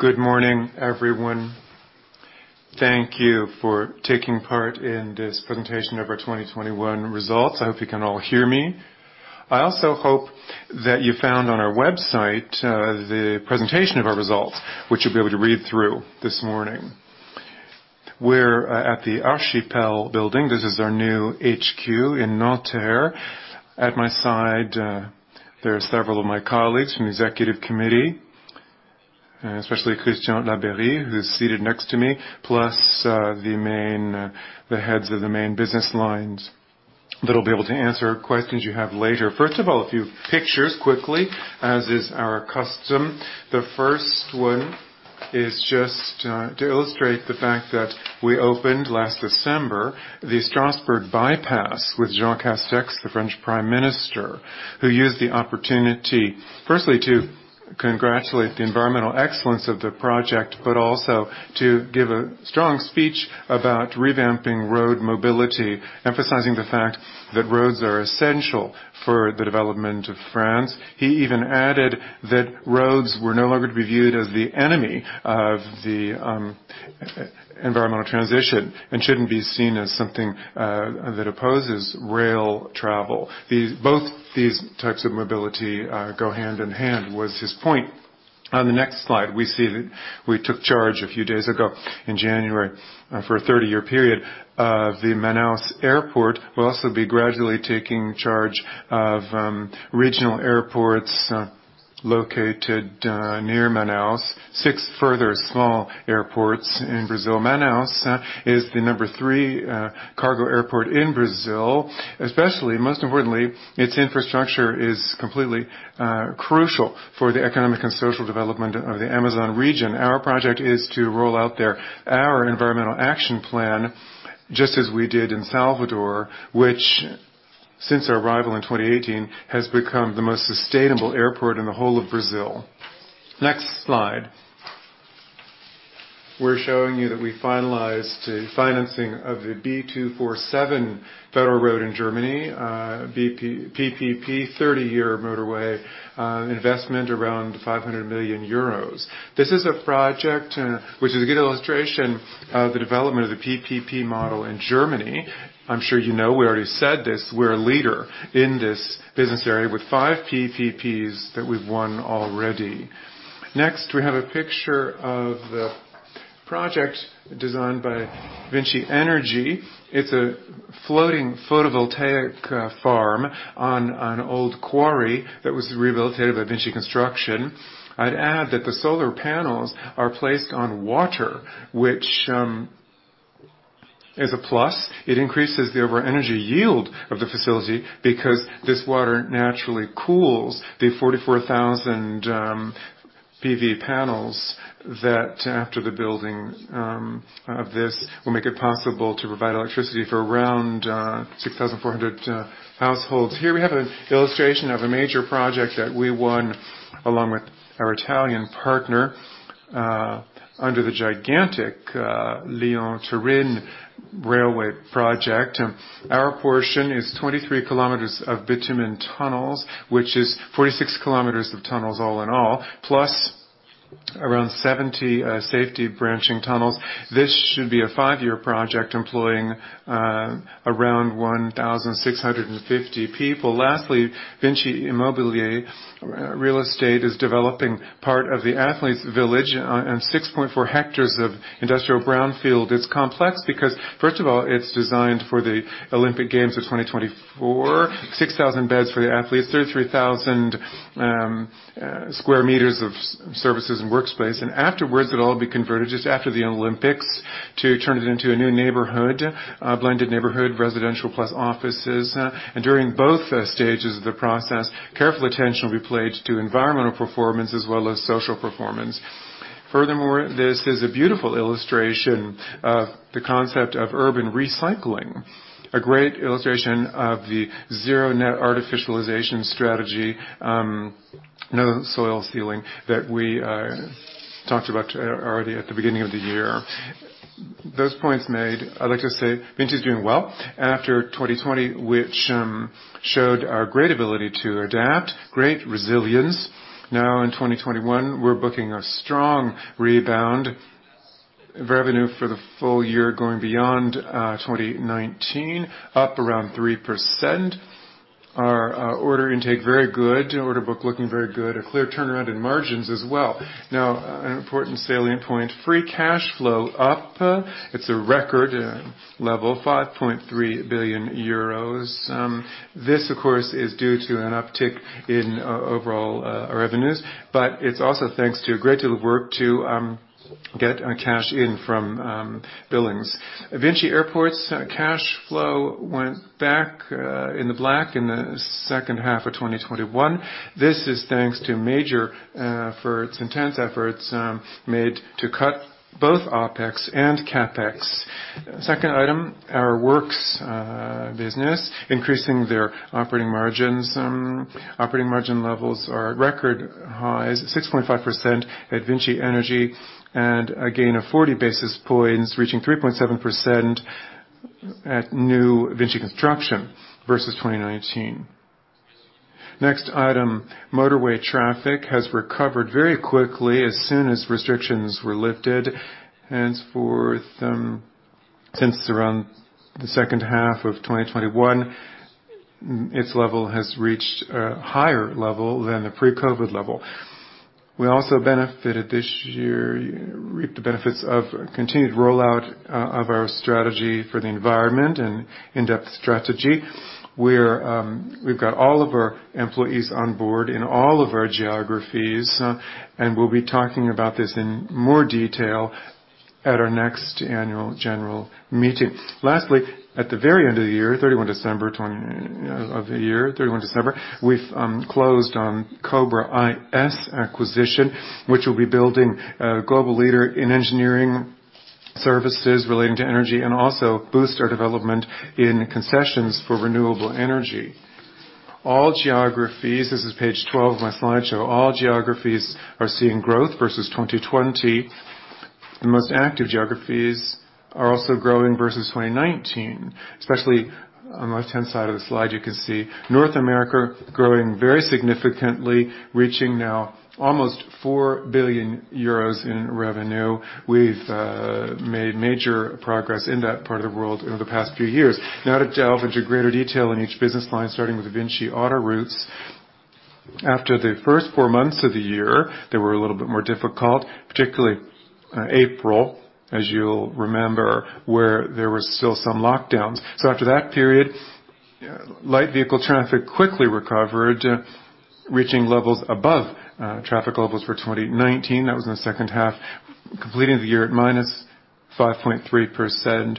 Good morning, everyone. Thank you for taking part in this presentation of our 2021 results. I hope you can all hear me. I also hope that you found on our website the presentation of our results, which you'll be able to read through this morning. We're at the Archipel Building. This is our new HQ in Nanterre. At my side there are several of my colleagues from Executive Committee, especially Christian Labeyrie, who's seated next to me, plus the heads of the main business lines that'll be able to answer questions you have later. First of all, a few pictures quickly, as is our custom. The first one is just to illustrate the fact that we opened last December the Strasbourg Bypass with Jean Castex, the French Prime Minister, who used the opportunity, firstly, to congratulate the environmental excellence of the project, but also to give a strong speech about revamping road mobility, emphasizing the fact that roads are essential for the development of France. He even added that roads were no longer to be viewed as the enemy of the environmental transition and shouldn't be seen as something that opposes rail travel. Both these types of mobility go hand in hand, was his point. On the next slide, we see that we took charge a few days ago in January for a 30-year period of the Manaus Airport. We'll also be gradually taking charge of regional airports located near Manaus. Six further small airports in Brazil. Manaus is the number 3 cargo airport in Brazil, especially, most importantly, its infrastructure is completely crucial for the economic and social development of the Amazon region. Our project is to roll out our environmental action plan, just as we did in Salvador, which since our arrival in 2018 has become the most sustainable airport in the whole of Brazil. Next slide. We're showing you that we finalized financing of the B247 Federal Road in Germany, a PPP, 30-year motorway, investment around 500 million euros. This is a project which is a good illustration of the development of the PPP model in Germany. I'm sure you know, we already said this, we're a leader in this business area with 5 PPPs that we've won already. Next, we have a picture of the project designed by VINCI Energies. It's a floating photovoltaic farm on an old quarry that was rehabilitated by VINCI Construction. I'd add that the solar panels are placed on water, which is a plus. It increases the overall energy yield of the facility because this water naturally cools the 44,000 PV panels that, after the building of this, will make it possible to provide electricity for around 6,400 households. Here we have an illustration of a major project that we won along with our Italian partner under the gigantic Lyon-Turin railway project. Our portion is 23 kilometers of bi-tube tunnels, which is 46 kilometers of tunnels all in all, plus around 70 safety branching tunnels. This should be a five-year project employing around 1,650 people. Lastly, VINCI Immobilier, real estate, is developing part of the Athletes Village on 6.4 hectares of industrial brownfield. It's complex because, first of all, it's designed for the Olympic Games of 2024, 6,000 beds for the athletes, 33,000 sq m of services and workspace. Afterwards, it'll all be converted, just after the Olympics, to turn it into a new neighborhood, a blended neighborhood, residential plus offices. During both stages of the process, careful attention will be paid to environmental performance as well as social performance. Furthermore, this is a beautiful illustration of the concept of urban recycling, a great illustration of the zero-net artificialization strategy, you know, soil sealing, that we talked about early at the beginning of the year. Those points made, I'd like to say, VINCI is doing well after 2020, which showed our great ability to adapt, great resilience. Now in 2021, we're booking a strong rebound. Revenue for the full year going beyond 2019, up around 3%. Our order intake, very good. Order book looking very good. A clear turnaround in margins as well. Now, an important salient point, free cash flow up. It's a record level, 5.3 billion euros. This, of course, is due to an uptick in overall revenues, but it's also thanks to a great deal of work to get our cash in from billings. VINCI Airports' cash flow went back in the black in the H2 of 2021. This is thanks to major for its intense efforts made to cut both OpEx and CapEx. Second item, our works business increasing their operating margins. Operating margin levels are at record highs, 6.5% at VINCI Energies, and a gain of 40 basis points, reaching 3.7% at new VINCI Construction versus 2019. Next item, motorway traffic has recovered very quickly as soon as restrictions were lifted. Henceforth, since around the H2 of 2021, its level has reached a higher level than the pre-COVID level. We also benefited this year reaped the benefits of continued rollout of our strategy for the environment and in-depth strategy, where we've got all of our employees on board in all of our geographies, and we'll be talking about this in more detail at our next annual general meeting. Lastly, at the very end of the year, 31 December 2020, we've closed on Cobra IS acquisition, which will be building a global leader in engineering services relating to energy and also boost our development in concessions for renewable energy. All geographies. This is page 12 of my slideshow. All geographies are seeing growth versus 2020. The most active geographies are also growing versus 2019, especially on the left-hand side of the slide. You can see North America growing very significantly, reaching now almost 4 billion euros in revenue. We've made major progress in that part of the world over the past few years. Now to delve into greater detail in each business line, starting with VINCI Autoroutes. After the first four months of the year, they were a little bit more difficult, particularly April, as you'll remember, where there were still some lockdowns. After that period, light vehicle traffic quickly recovered, reaching levels above traffic levels for 2019. That was in the H2, completing the year at -5.3%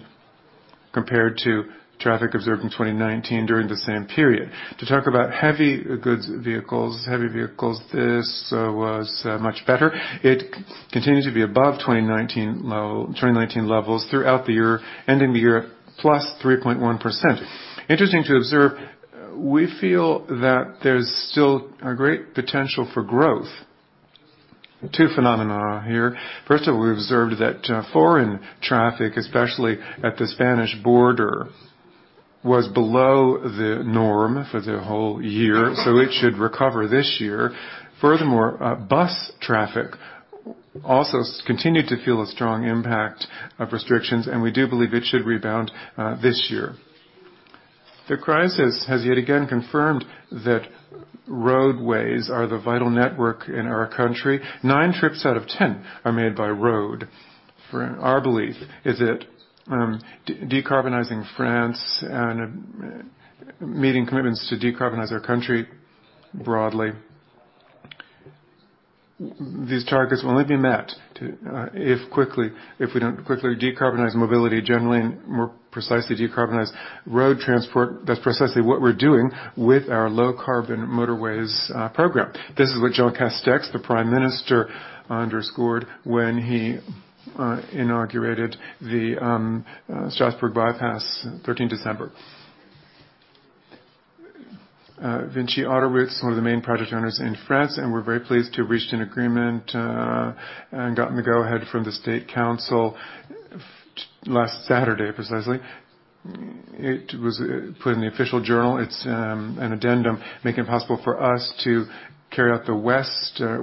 compared to traffic observed in 2019 during the same period. To talk about heavy goods vehicles, heavy vehicles, this was much better. It continued to be above 2019 levels throughout the year, ending the year +3.1%. Interesting to observe, we feel that there's still a great potential for growth. Two phenomena here. First of all, we observed that foreign traffic, especially at the Spanish border, was below the norm for the whole year, so it should recover this year. Furthermore, bus traffic also continued to feel a strong impact of restrictions, and we do believe it should rebound this year. The crisis has yet again confirmed that roadways are the vital network in our country. Nine trips out of ten are made by road. Our belief is that decarbonizing France and meeting commitments to decarbonize our country broadly, these targets will only be met if we quickly decarbonize mobility generally and more precisely, decarbonize road transport. That's precisely what we're doing with our low carbon motorways program. This is what Jean Castex, the Prime Minister, underscored when he inaugurated the Strasbourg bypass, thirteenth December. VINCI Autoroutes, one of the main project owners in France, and we're very pleased to have reached an agreement and gotten the go-ahead from the state council last Saturday, precisely. It was put in the official journal. It's an addendum making it possible for us to carry out the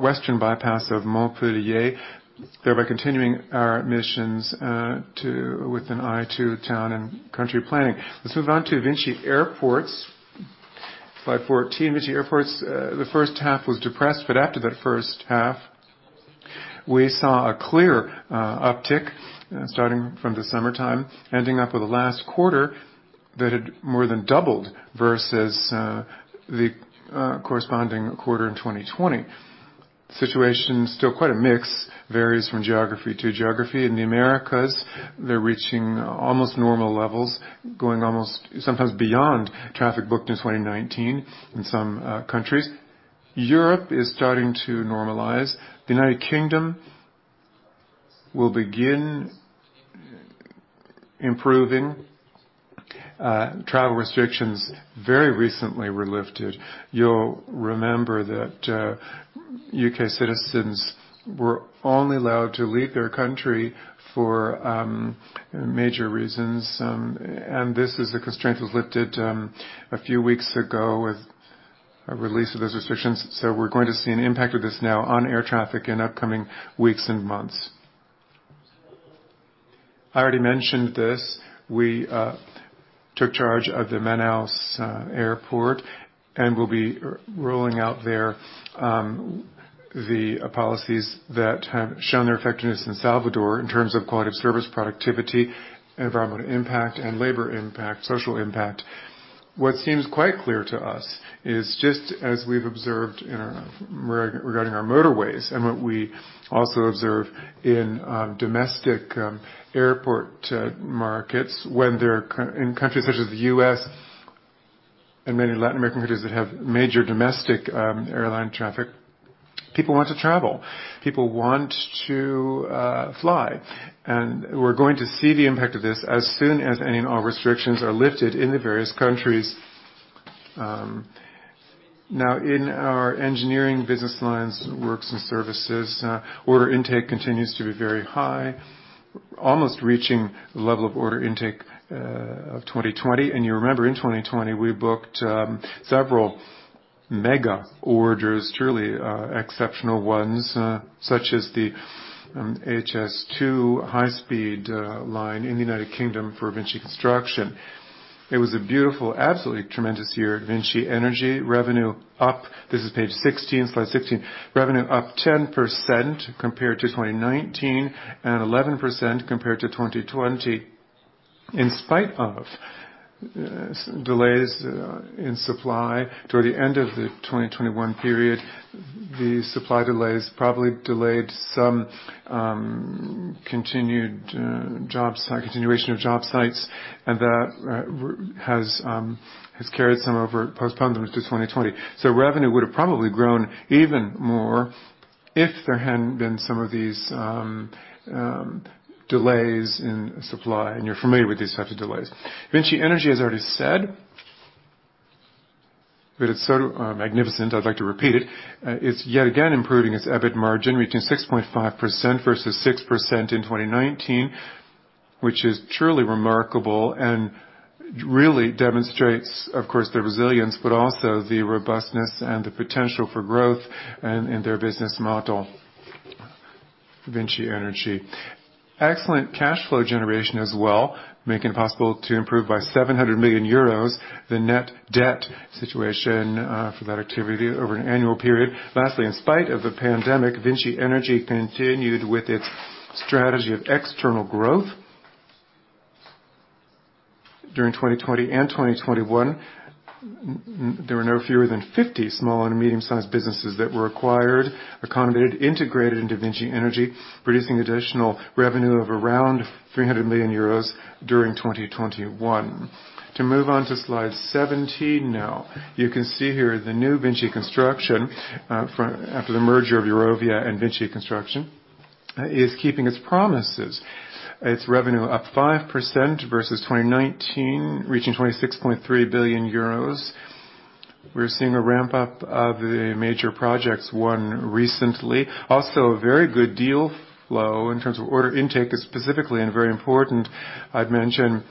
western bypass of Montpellier, thereby continuing our missions with an eye to town and country planning. Let's move on to VINCI Airports. Slide 14, VINCI Airports. The H1 was depressed, but after that H1, we saw a clear uptick starting from the summertime, ending up with the last quarter that had more than doubled versus the corresponding quarter in 2020. Situation still quite a mix, varies from geography to geography. In the Americas, they're reaching almost normal levels, going almost sometimes beyond traffic booked in 2019 in some countries. Europe is starting to normalize. The United Kingdom will begin improving. Travel restrictions very recently were lifted. You'll remember that U.K. citizens were only allowed to leave their country for major reasons, and this is a constraint that was lifted a few weeks ago with a release of those restrictions. We're going to see an impact of this now on air traffic in upcoming weeks and months. I already mentioned this. We took charge of the Manaus airport, and we'll be rolling out the policies that have shown their effectiveness in Salvador in terms of quality of service, productivity, environmental impact, and labor impact, social impact. What seems quite clear to us is just as we've observed regarding our motorways and what we also observe in domestic airport markets in countries such as the U.S. and many Latin American countries that have major domestic airline traffic, people want to travel, people want to fly, and we're going to see the impact of this as soon as any and all restrictions are lifted in the various countries. Now in our engineering business lines, works and services, order intake continues to be very high. Almost reaching the level of order intake of 2020. You remember in 2020, we booked several mega orders, truly exceptional ones, such as the HS2 high-speed line in the United Kingdom for VINCI Construction. It was a beautiful, absolutely tremendous year at VINCI Energies. Revenue up. This is page 16, slide 16. Revenue up 10% compared to 2019, and 11% compared to 2020, in spite of supply delays in supply toward the end of the 2021 period. The supply delays probably delayed some continuation of job sites, and that has carried some over, postponed them to 2020. Revenue would have probably grown even more if there hadn't been some of these delays in supply. You're familiar with these types of delays. VINCI Energies has already said. It's so magnificent, I'd like to repeat it. It's yet again improving its EBIT margin, reaching 6.5% versus 6% in 2019, which is truly remarkable and really demonstrates, of course, the resilience, but also the robustness and the potential for growth in their business model. VINCI Energies. Excellent cash flow generation as well, making it possible to improve by 700 million euros the net debt situation for that activity over an annual period. Lastly, in spite of the pandemic, VINCI Energies continued with its strategy of external growth. During 2020 and 2021, there were no fewer than 50 small and medium-sized businesses that were acquired, accommodated, integrated into VINCI Energies, producing additional revenue of around 300 million euros during 2021. To move on to slide 17 now. You can see here the new VINCI Construction after the merger of Eurovia and VINCI Construction is keeping its promises. Its revenue up 5% versus 2019, reaching 26.3 billion euros. We're seeing a ramp-up of the major projects won recently. Also, a very good deal flow in terms of order intake is specifically and very important. I'd mention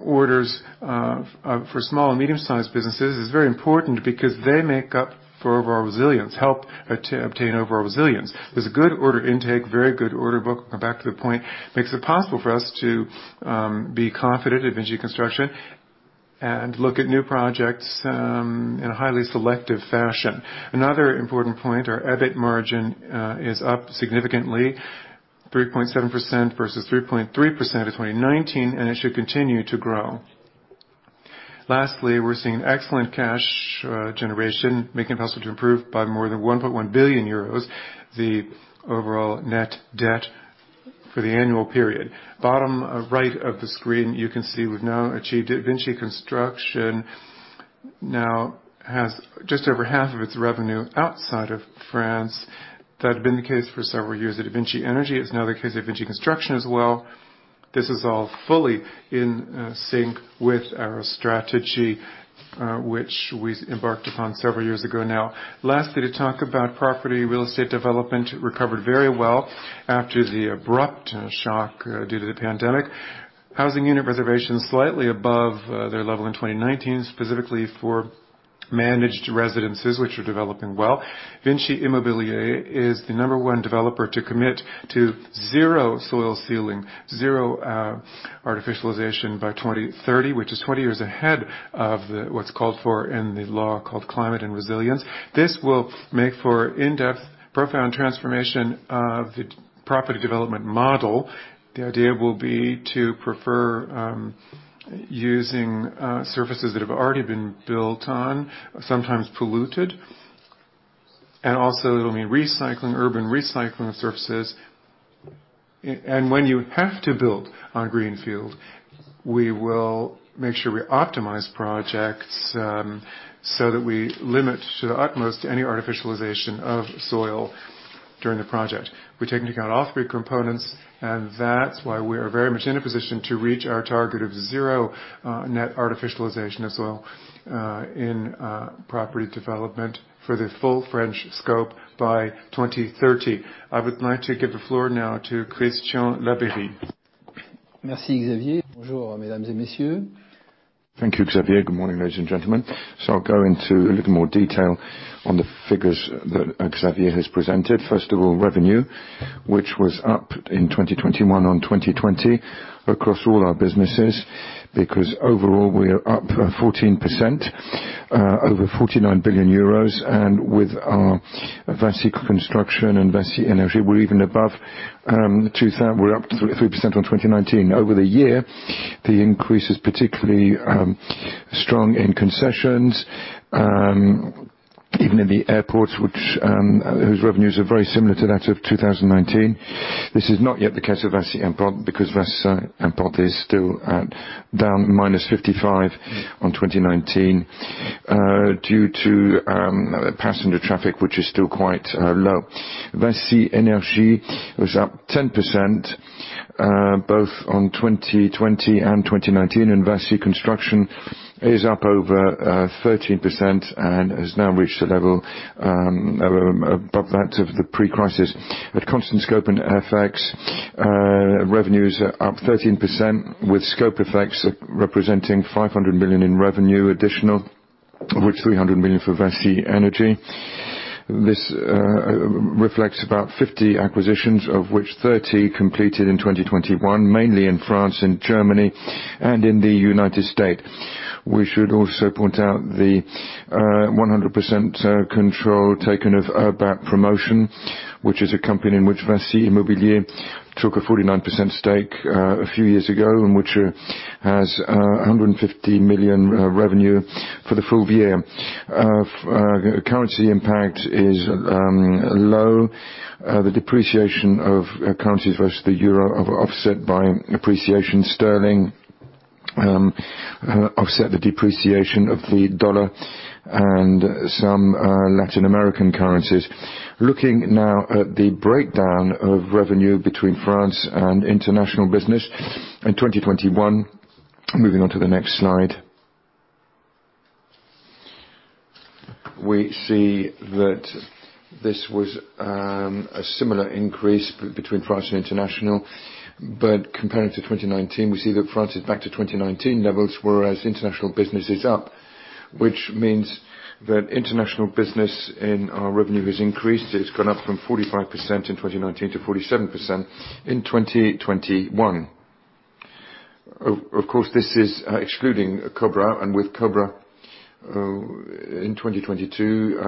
orders for small and medium-sized businesses is very important because they make up for overall resilience, help to obtain overall resilience. There's a good order intake, very good order book. I'll come back to the point. Makes it possible for us to be confident at VINCI Construction and look at new projects in a highly selective fashion. Another important point, our EBIT margin is up significantly, 3.7% versus 3.3% in 2019, and it should continue to grow. Lastly, we're seeing excellent cash generation making it possible to improve by more than 1.1 billion euros the overall net debt for the annual period. Bottom right of the screen, you can see we've now achieved it. VINCI Construction now has just over half of its revenue outside of France. That had been the case for several years at VINCI Energies. It's now the case at VINCI Construction as well. This is all fully in sync with our strategy, which we embarked upon several years ago now. Lastly, to talk about property real estate development. It recovered very well after the abrupt shock due to the pandemic. Housing unit reservations slightly above their level in 2019, specifically for managed residences, which are developing well. VINCI Immobilier is the number one developer to commit to zero soil sealing, zero artificialization by 2030, which is 20 years ahead of what's called for in the law called Climate and Resilience Law. This will make for in-depth, profound transformation of the property development model. The idea will be to prefer using surfaces that have already been built on, sometimes polluted, and also it'll mean recycling, urban recycling surfaces. When you have to build on green field, we will make sure we optimize projects so that we limit to the utmost any artificialization of soil during the project. We take into account all three components, and that's why we are very much in a position to reach our target of zero net artificialization of soil in property development for the full French scope by 2030. I would like to give the floor now to Christian Labeyrie. Merci, Xavier. Bonjour, mesdames et messieurs. Thank you, Xavier. Good morning, ladies and gentlemen. I'll go into a little more detail on the figures that Xavier has presented. First of all, revenue, which was up in 2021 on 2020 across all our businesses, because overall, we are up 14% over 49 billion euros. With our VINCI Construction and VINCI Energies, we're even above, we're up 3% on 2019. Over the year, the increase is particularly strong in concessions, even in the airports whose revenues are very similar to that of 2019. This is not yet the case of VINCI Airports, because VINCI Airports is still at down -55% on 2019 due to passenger traffic, which is still quite low. VINCI Energies was up 10%. Both on 2020 and 2019, and VINCI Construction is up over 13% and has now reached a level above that of the pre-crisis. At constant scope and FX, revenues are up 13% with scope effects representing 500 million in revenue additional, of which 300 million for VINCI Energies. This reflects about 50 acquisitions, of which 30 completed in 2021, mainly in France and Germany and in the United States. We should also point out the 100% control taken of Urbat Promotion, which is a company in which VINCI Immobilier took a 49% stake a few years ago, which has 150 million revenue for the full year. Currency impact is low. The depreciation of currencies versus the euro are offset by appreciation sterling, offset the depreciation of the dollar and some Latin American currencies. Looking now at the breakdown of revenue between France and international business in 2021. Moving on to the next slide. We see that this was a similar increase between France and international, but compared to 2019, we see that France is back to 2019 levels, whereas international business is up, which means that international business in our revenue has increased. It's gone up from 45% in 2019 to 47% in 2021. Of course, this is excluding Cobra. With Cobra, in 2022,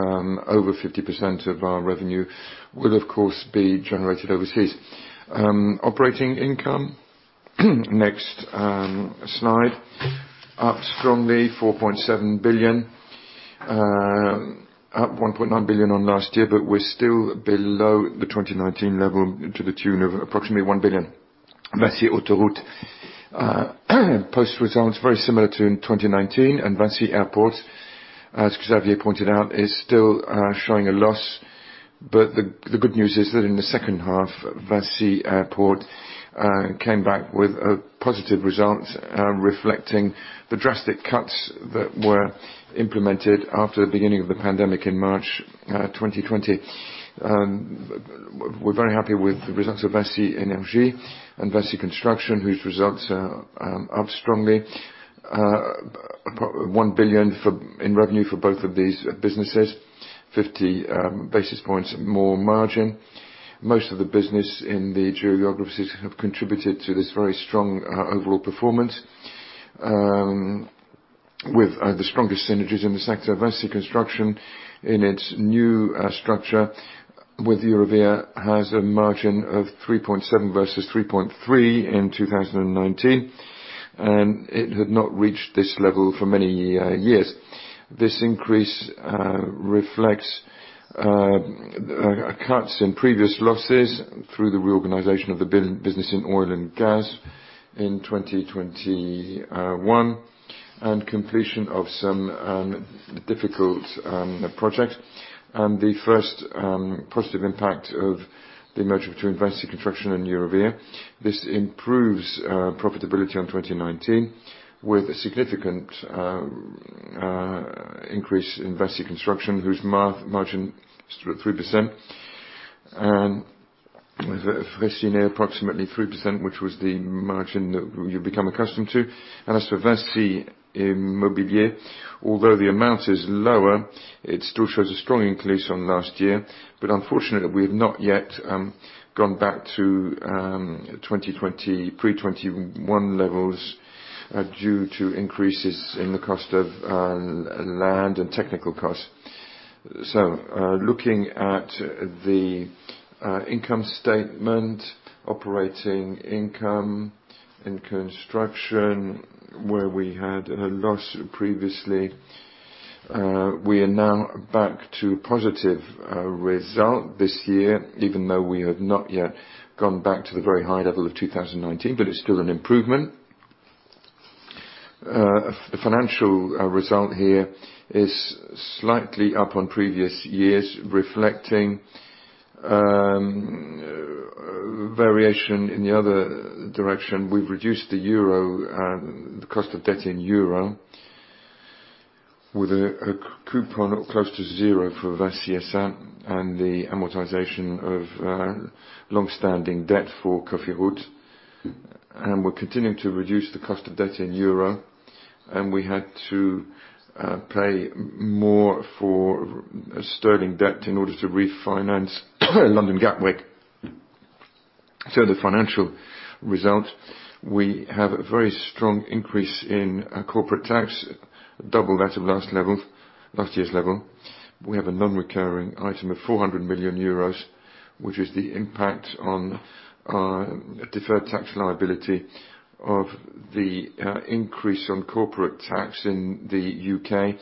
over 50% of our revenue will, of course, be generated overseas. Operating income, next slide. Up strongly, 4.7 billion, up 1.9 billion on last year, but we're still below the 2019 level to the tune of approximately 1 billion. VINCI Autoroutes posted results very similar to in 2019. VINCI Airports, as Xavier pointed out, is still showing a loss. The good news is that in the H2, VINCI Airports came back with a positive result, reflecting the drastic cuts that were implemented after the beginning of the pandemic in March 2020. We're very happy with the results of VINCI Energies and VINCI Construction, whose results are up strongly. 1 billion in revenue for both of these businesses. 50 basis points more margin. Most of the business in the geographies have contributed to this very strong overall performance with the strongest synergies in the sector. VINCI Construction in its new structure with Eurovia has a margin of 3.7% versus 3.3% in 2019, and it had not reached this level for many years. This increase reflects cuts in previous losses through the reorganization of the business in oil and gas in 2021 and completion of some difficult projects. The first positive impact of the merger between VINCI Construction and Eurovia. This improves profitability over 2019 with a significant increase in VINCI Construction, whose margin is about 3% and VINCI approximately 3%, which was the margin that you've become accustomed to. As for VINCI Immobilier, although the amount is lower, it still shows a strong increase on last year. Unfortunately, we have not yet gone back to 2020, pre-2021 levels, due to increases in the cost of land and technical costs. Looking at the income statement, operating income in construction, where we had a loss previously, we are now back to positive result this year, even though we have not yet gone back to the very high level of 2019, but it's still an improvement. The financial result here is slightly up on previous years, reflecting variation in the other direction. We've reduced the euro, the cost of debt in euro with a coupon close to zero for VINCI SA, and the amortization of long-standing debt for Cofiroute. We're continuing to reduce the cost of debt in euro, and we had to pay more for sterling debt in order to refinance London Gatwick. The financial result, we have a very strong increase in corporate tax, double that of last year's level. We have a non-recurring item of 400 million euros, which is the impact on deferred tax liability of the increase on corporate tax in the U.K.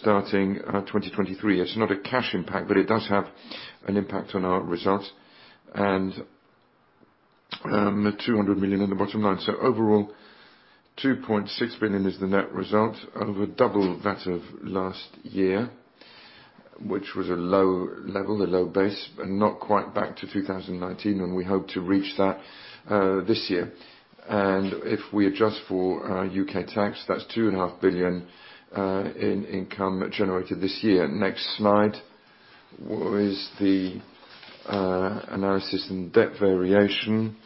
starting 2023. It's not a cash impact, but it does have an impact on our results and 200 million on the bottom line. Overall, 2.6 billion is the net result of a double that of last year, which was a low level, a low base, but not quite back to 2019, and we hope to reach that this year. If we adjust for U.K. tax, that's 2.5 billion in income generated this year. Next slide. What is the analysis of debt variation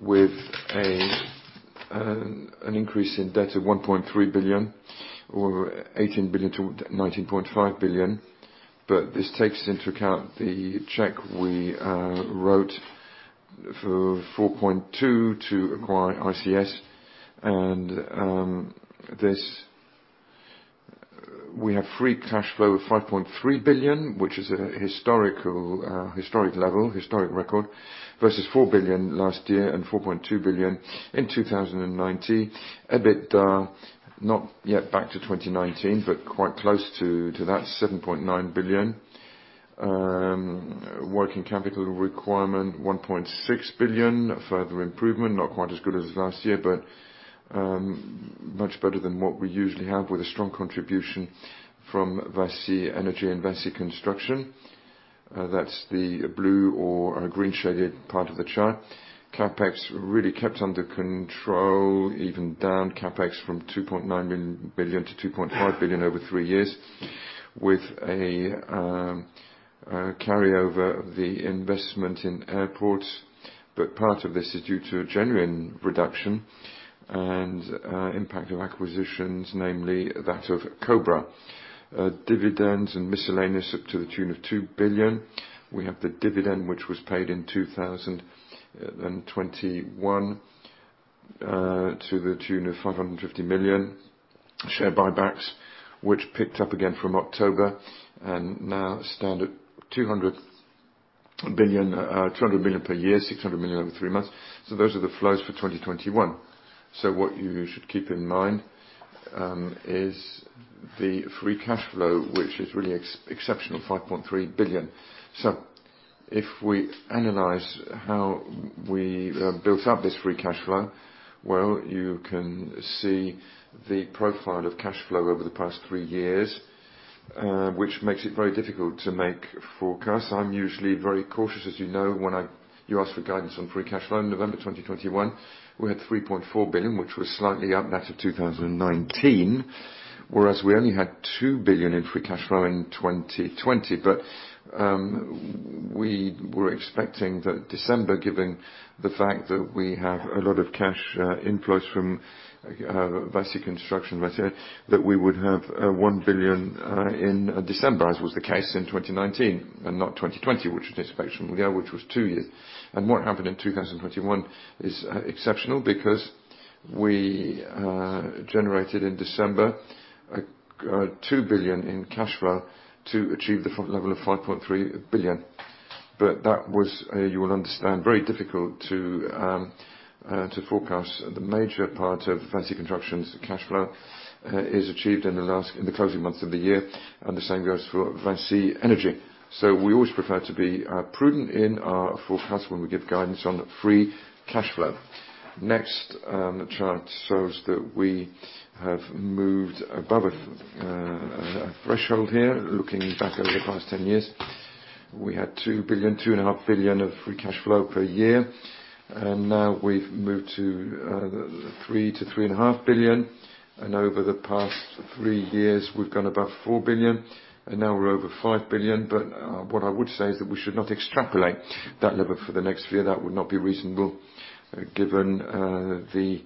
with an increase in debt of 1.3 billion or 18 billion-19.5 billion. This takes into account the check we wrote for 4.2 billion to acquire ACS. We have free cash flow of 5.3 billion, which is a historic level, historic record, versus 4 billion last year and 4.2 billion in 2019. EBITDA not yet back to 2019, but quite close to that 7.9 billion. Working capital requirement 1.6 billion. A further improvement, not quite as good as last year, but much better than what we usually have with a strong contribution from VINCI Energies and VINCI Construction. That's the blue or green shaded part of the chart. CapEx really kept under control, even down CapEx from 2.9 billion to 2.5 billion over 3 years with a carryover of the investment in airports. Part of this is due to a genuine reduction and impact of acquisitions, namely that of Cobra. Dividends and miscellaneous up to the tune of 2 billion. We have the dividend which was paid in 2021 to the tune of 550 million. Share buybacks, which picked up again from October and now stand at 200 million per year, 600 million over three months. Those are the flows for 2021. What you should keep in mind is the free cash flow, which is really exceptional, 5.3 billion. If we analyze how we built up this free cash flow, well, you can see the profile of cash flow over the past three years, which makes it very difficult to make forecasts. I'm usually very cautious, as you know, when you asked for guidance on free cash flow. In November 2021, we had 3.4 billion, which was slightly above that of 2019, whereas we only had 2 billion in free cash flow in 2020. We were expecting that December, given the fact that we have a lot of cash inflows from VINCI Construction, that we would have 1 billion in December, as was the case in 2019 and not 2020, which was exceptionally low, which was two years. What happened in 2021 is exceptional because we generated in December 2 billion in cash flow to achieve the full level of 5.3 billion. That was, you will understand, very difficult to forecast. The major part of VINCI Construction's cash flow is achieved in the closing months of the year, and the same goes for VINCI Energies. We always prefer to be prudent in our forecast when we give guidance on free cash flow. Next, chart shows that we have moved above a threshold here. Looking back over the past 10 years, we had 2 billion, 2.5 billion of free cash flow per year, and now we've moved to three to 3.5 billion. Over the past three years, we've gone above 4 billion, and now we're over 5 billion. What I would say is that we should not extrapolate that level for the next year. That would not be reasonable, given the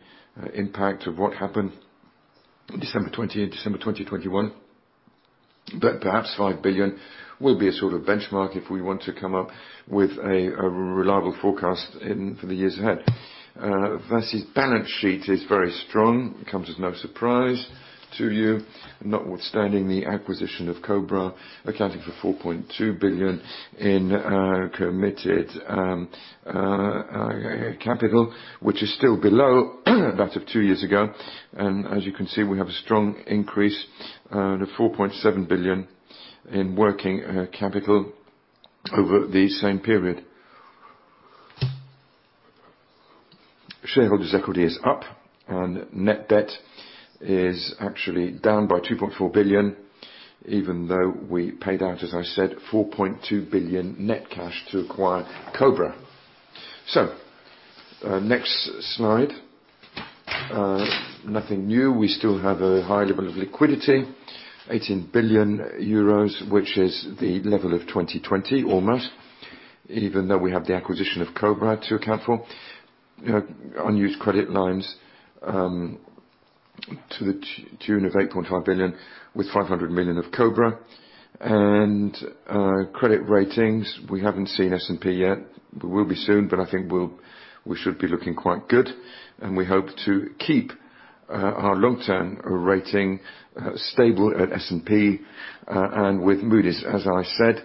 impact of what happened December 2020 and December 2021. Perhaps 5 billion will be a sort of benchmark if we want to come up with a reliable forecast for the years ahead. Vinci's balance sheet is very strong. It comes as no surprise to you, notwithstanding the acquisition of Cobra, accounting for 4.2 billion in committed capital, which is still below that of two years ago. As you can see, we have a strong increase to 4.7 billion in working capital over the same period. Shareholders' equity is up and net debt is actually down by 2.4 billion, even though we paid out, as I said, 4.2 billion net cash to acquire Cobra. Next slide. Nothing new. We still have a high level of liquidity, 18 billion euros, which is the level of 2020 almost, even though we have the acquisition of Cobra to account for. Unused credit lines to the tune of 8.5 billion, with 500 million of Cobra. Credit ratings, we haven't seen S&P yet. We will be soon, but I think we'll, we should be looking quite good, and we hope to keep our long-term rating stable at S&P. With Moody's, as I said,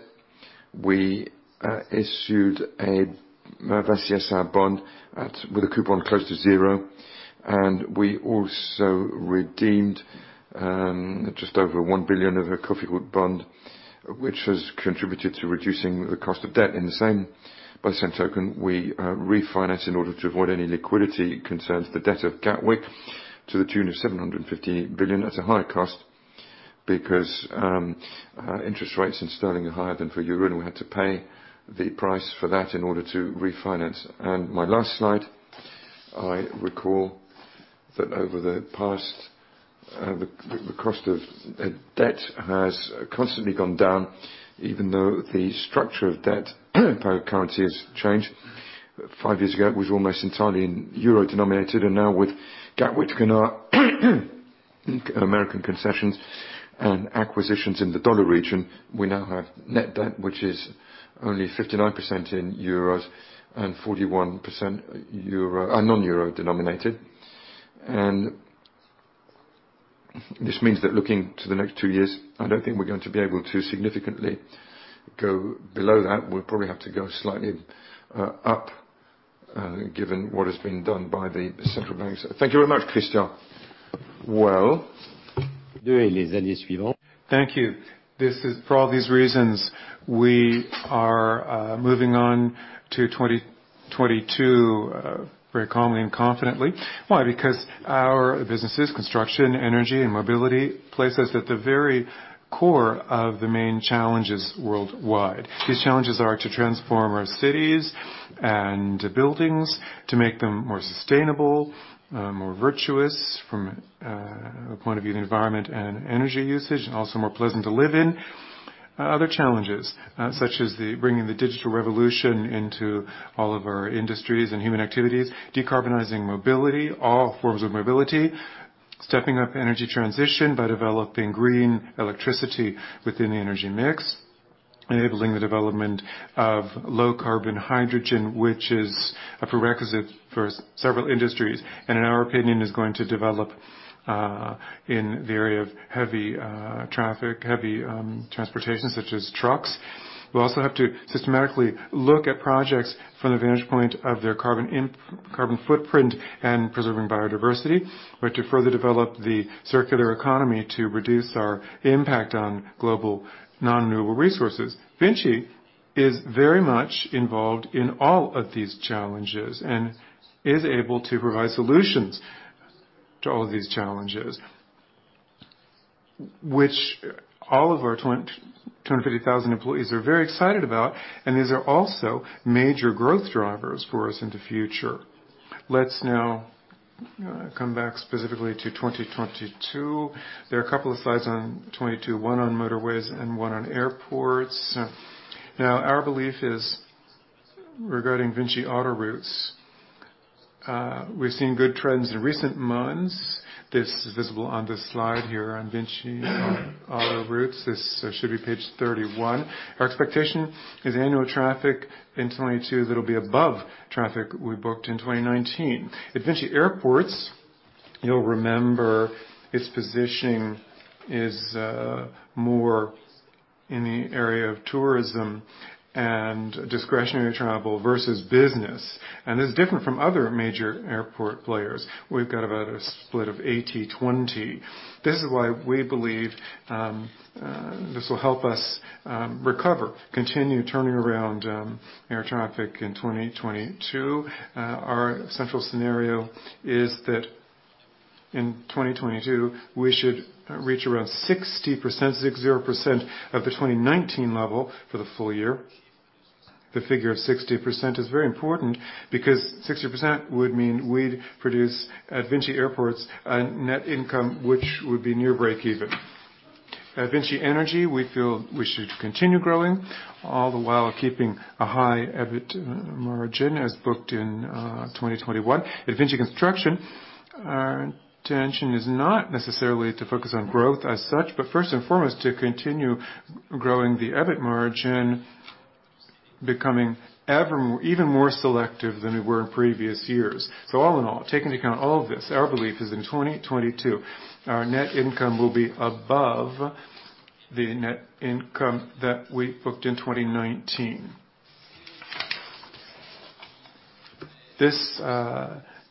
we issued a VINCI SA bond with a coupon close to zero, and we also redeemed just over 1 billion of a Cofiroute bond, which has contributed to reducing the cost of debt. By the same token, we refinance in order to avoid any liquidity concerns the debt of Gatwick to the tune of 750 million at a higher cost. Because interest rates in sterling are higher than for euro, and we had to pay the price for that in order to refinance. My last slide, I recall that over the past, the cost of debt has constantly gone down, even though the structure of debt per currency has changed. Five years ago, it was almost entirely in euro-denominated. Now with Gatwick and our American concessions and acquisitions in the dollar region, we now have net debt, which is only 59% in euros and 41% non-euro denominated. This means that looking to the next two years, I don't think we're going to be able to significantly go below that. We'll probably have to go slightly up, given what has been done by the central banks. Thank you very much, Christian. Well. Thank you. For all these reasons, we are moving on to 2022 very calmly and confidently. Why? Because our businesses, construction, energy, and mobility place us at the very core of the main challenges worldwide. These challenges are to transform our cities and buildings to make them more sustainable, more virtuous from a point of view in environment and energy usage, and also more pleasant to live in. Other challenges, such as bringing the digital revolution into all of our industries and human activities, decarbonizing mobility, all forms of mobility, stepping up energy transition by developing green electricity within the energy mix, enabling the development of low carbon hydrogen, which is a prerequisite for several industries, and in our opinion, is going to develop in the area of heavy traffic, heavy transportation, such as trucks. We also have to systematically look at projects from the vantage point of their carbon footprint and preserving biodiversity. We have to further develop the circular economy to reduce our impact on global non-renewable resources. VINCI is very much involved in all of these challenges and is able to provide solutions to all of these challenges, which all of our 250,000 employees are very excited about, and these are also major growth drivers for us in the future. Let's now come back specifically to 2022. There are a couple of slides on 2022, one on motorways and one on airports. Now, our belief is regarding VINCI Autoroutes. We've seen good trends in recent months. This is visible on this slide here on VINCI Autoroutes. This should be page 31. Our expectation is annual traffic in 2022 that will be above traffic we booked in 2019. At VINCI Airports, you'll remember its positioning is more in the area of tourism and discretionary travel versus business. This is different from other major airport players. We've got about a split of 80 to 20. This is why we believe this will help us recover, continue turning around air traffic in 2022. Our central scenario is that in 2022, we should reach around 60%, 60%, of the 2019 level for the full year. The figure of 60% is very important because 60% would mean we'd produce, at VINCI Airports, a net income which would be near breakeven. At VINCI Energies, we feel we should continue growing all the while keeping a high EBIT margin as booked in 2021. At VINCI Construction, our intention is not necessarily to focus on growth as such, but first and foremost, to continue growing the EBIT margin, becoming even more selective than we were in previous years. All in all, taking into account all of this, our belief is in 2022, our net income will be above the net income that we booked in 2019. This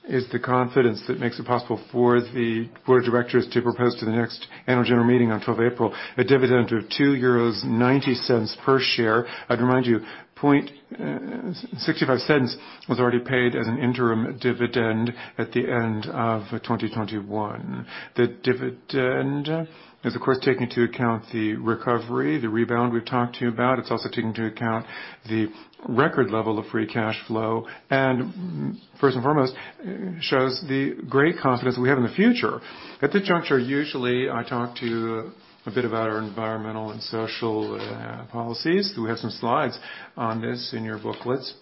is the confidence that makes it possible for the board of directors to propose to the next annual general meeting on twelfth April, a dividend of 2.90 euros per share. I'd remind you, 0.65 cents was already paid as an interim dividend at the end of 2021. The dividend is, of course, taking into account the recovery, the rebound we've talked to you about. It's also taking into account the record level of free cash flow, and first and foremost, shows the great confidence we have in the future. At this juncture, usually, I talk to you a bit about our environmental and social policies. We have some slides on this in your booklets.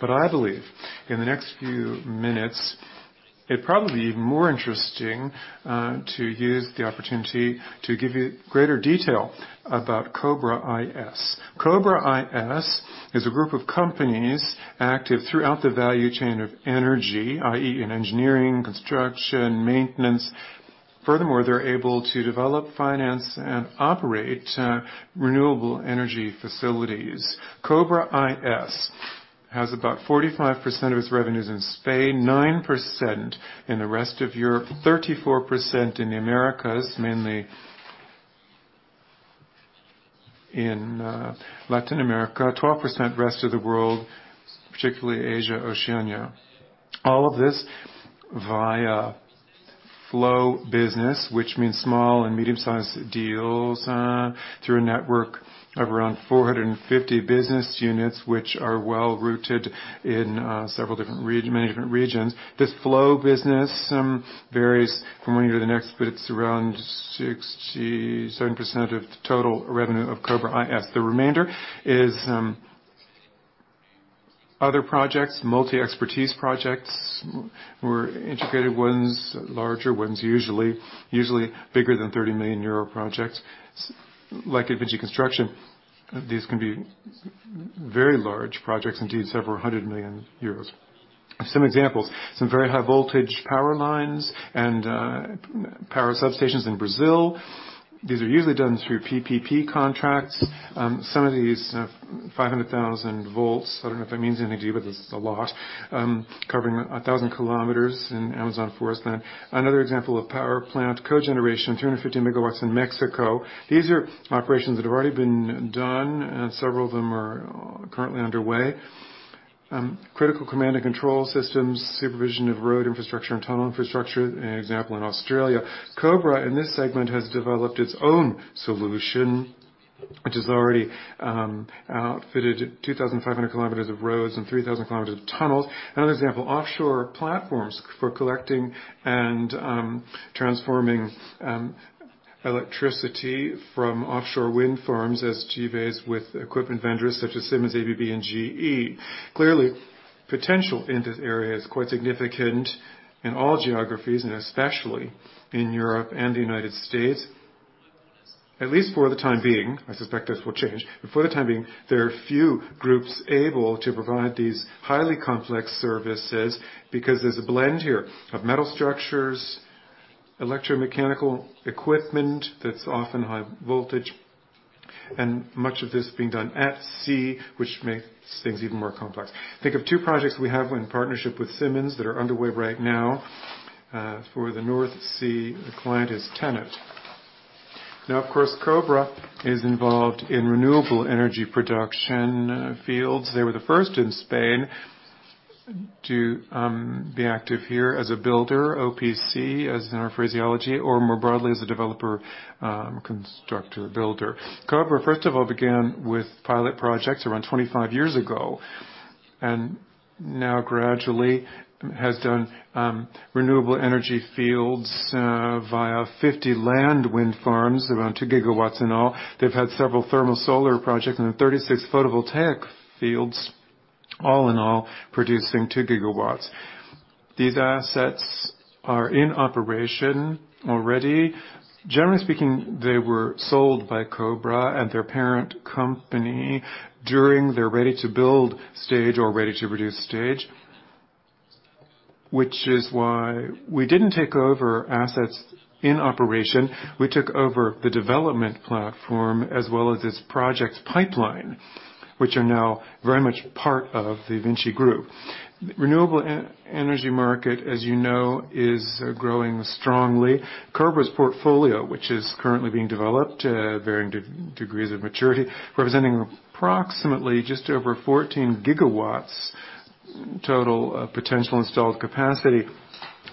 I believe in the next few minutes, it'd probably be even more interesting to use the opportunity to give you greater detail about Cobra IS. Cobra IS is a group of companies active throughout the value chain of energy, i.e., in engineering, construction, maintenance. Furthermore, they're able to develop, finance, and operate renewable energy facilities. Cobra IS has about 45% of its revenues in Spain, 9% in the rest of Europe, 34% in the Americas, mainly in Latin America, 12% rest of the world, particularly Asia, Oceania. All of this via flow business, which means small and medium-sized deals, through a network of around 450 business units, which are well rooted in several different, many different regions. This flow business varies from one year to the next, but it's around 67% of the total revenue of Cobra IS. The remainder is other projects, multi-expertise projects, more integrated ones, larger ones, usually. Usually bigger than 30 million euro projects. Like VINCI Construction, these can be very large projects, indeed several hundred million EUR. Some examples, some very high voltage power lines and power substations in Brazil. These are usually done through PPP contracts. Some of these have 500,000 V. I don't know if it means anything to you, but it's a lot. Covering 1,000 km in Amazon forest. Another example of power plant cogeneration, 250 MW in Mexico. These are operations that have already been done, and several of them are currently underway. Critical command and control systems, supervision of road infrastructure and tunnel infrastructure. An example in Australia. Cobra, in this segment, has developed its own solution, which is already outfitted 2,500 km of roads and 3,000 km of tunnels. Another example, offshore platforms for collecting and transforming electricity from offshore wind farms as GBAs with equipment vendors such as Siemens, ABB, and GE. Clearly, potential in this area is quite significant in all geographies, and especially in Europe and the United States. At least for the time being, I suspect this will change. For the time being, there are few groups able to provide these highly complex services because there's a blend here of metal structures, electromechanical equipment that's often high voltage, and much of this being done at sea, which makes things even more complex. Think of two projects we have in partnership with Siemens that are underway right now for the North Sea. The client is TenneT. Now, of course, Cobra is involved in renewable energy production fields. They were the first in Spain to be active here as a builder, EPC, as in EPC, or more broadly as a developer, constructor, builder. Cobra, first of all, began with pilot projects around 25 years ago, and now gradually has done renewable energy fields via 50 land wind farms, around 2 GW in all. They've had several thermal solar projects and 36 photovoltaic fields, all in all, producing 2 GW. These assets are in operation already. Generally speaking, they were sold by Cobra and their parent company during their ready-to-build stage or ready-to-produce stage, which is why we didn't take over assets in operation. We took over the development platform as well as its projects pipeline, which are now very much part of the VINCI Group. Renewable energy market, as you know, is growing strongly. Cobra's portfolio, which is currently being developed, varying degrees of maturity, representing approximately just over 14 GW total of potential installed capacity.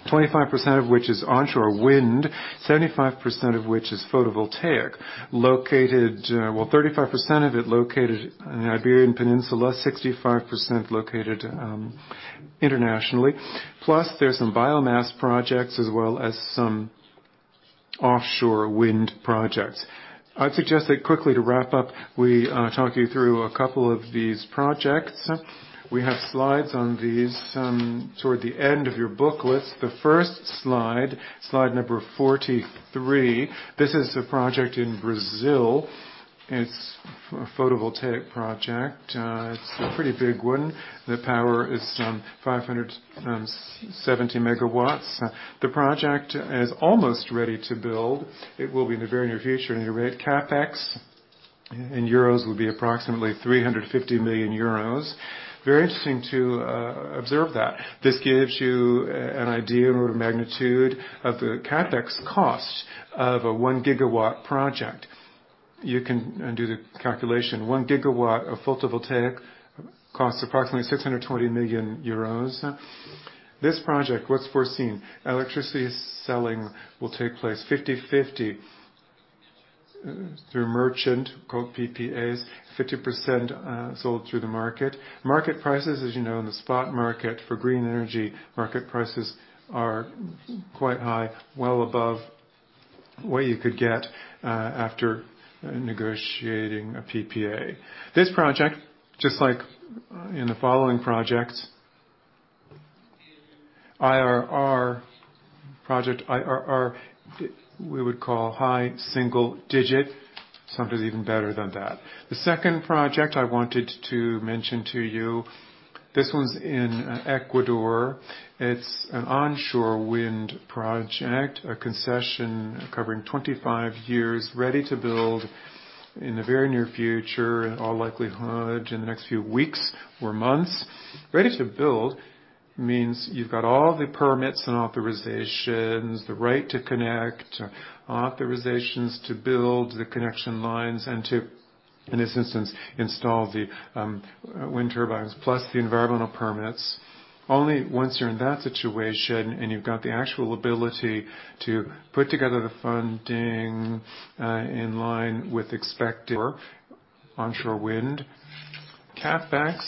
25% of which is onshore wind, 75% of which is photovoltaic. 35% of it located in the Iberian Peninsula, 65% located internationally. Plus, there's some biomass projects as well as some offshore wind projects. I'd suggest that quickly to wrap up, we talk you through a couple of these projects. We have slides on these toward the end of your booklets. The first slide number 43, this is a project in Brazil. It's a photovoltaic project. It's a pretty big one. The power is 500 seventy megawatts. The project is almost ready to build. It will be in the very near future, and your rate CapEx in euros will be approximately 350 million euros. Very interesting to observe that. This gives you an idea or a magnitude of the CapEx cost of a 1 gigawatt project. You can do the calculation. 1 gigawatt of photovoltaic costs approximately 620 million euros. This project, what's foreseen? Electricity selling will take place 50/50 through merchant called PPAs, 50%, sold through the market. Market prices, as you know, in the spot market for green energy, market prices are quite high, well above what you could get after negotiating a PPA. This project, just like in the following projects, IRR, we would call high single digit, sometimes even better than that. The second project I wanted to mention to you, this one's in Ecuador. It's an onshore wind project, a concession covering 25 years, ready to build in the very near future, in all likelihood, in the next few weeks or months. Ready to build means you've got all the permits and authorizations, the right to connect, authorizations to build the connection lines and to, in this instance, install the wind turbines plus the environmental permits. Only once you're in that situation and you've got the actual ability to put together the funding in line with expected onshore wind CapEx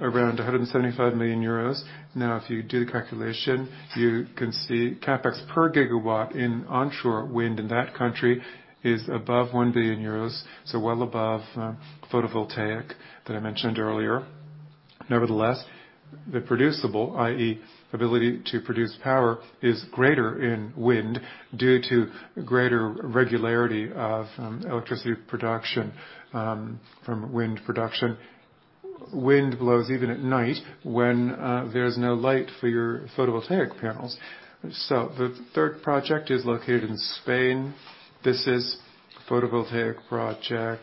around 175 million euros. Now, if you do the calculation, you can see CapEx per gigawatt in onshore wind in that country is above 1 billion euros, so well above photovoltaic that I mentioned earlier. Nevertheless, the producible, i.e., ability to produce power, is greater in wind due to greater regularity of electricity production from wind production. Wind blows even at night when there's no light for your photovoltaic panels. The third project is located in Spain. This is a photovoltaic project,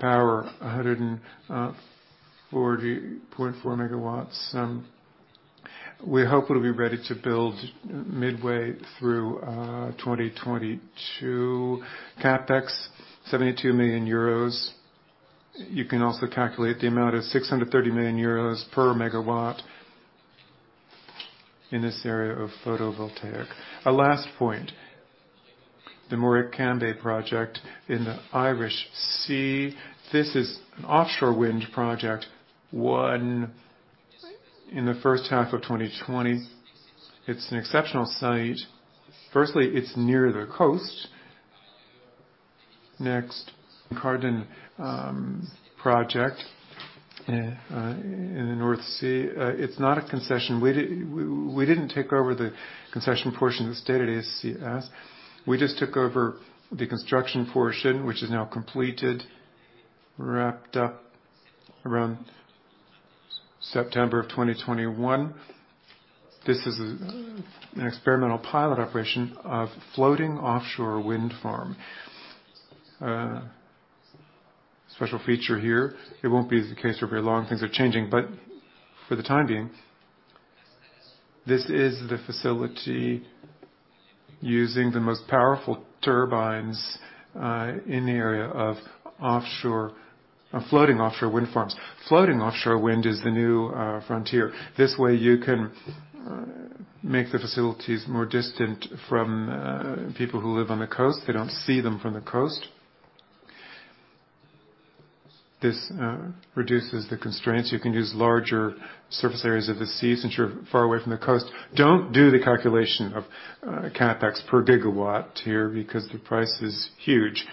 power 140.4 MW. We hope it'll be ready to build midway through 2022. CapEx 72 million euros. You can also calculate the amount of 630 million euros per megawatt in this area of photovoltaic. A last point, the Morecambe project in the Irish Sea. This is an offshore wind project won in the H1 of 2020. It's an exceptional site. Firstly, it's near the coast. Next, Kincardine project in the North Sea. It's not a concession. We didn't take over the concession portion of the ACS. We just took over the construction portion, which is now completed, wrapped up around September of 2021. This is an experimental pilot operation of floating offshore wind farm. Special feature here. It won't be the case for very long, things are changing, but for the time being, this is the facility using the most powerful turbines in the area of offshore floating offshore wind farms. Floating offshore wind is the new frontier. This way you can make the facilities more distant from people who live on the coast. They don't see them from the coast. This reduces the constraints. You can use larger surface areas of the sea since you're far away from the coast. Don't do the calculation of CapEx per gigawatt here because the price is huge.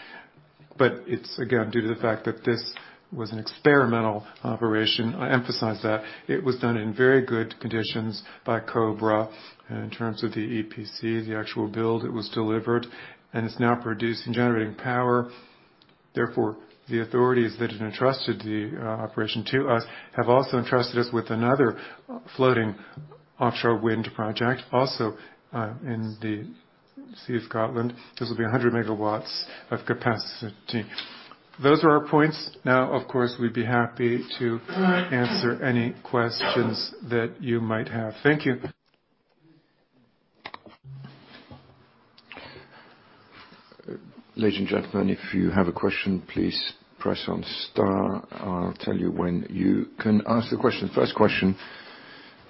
It's again, due to the fact that this was an experimental operation. I emphasize that. It was done in very good conditions by Cobra. In terms of the EPC, the actual build, it was delivered, and it's now producing, generating power. Therefore, the authorities that had entrusted the operation to us have also entrusted us with another floating offshore wind project, also in the Sea of Scotland. This will be 100 MW of capacity. Those are our points. Now, of course, we'd be happy to answer any questions that you might have. Thank you. First question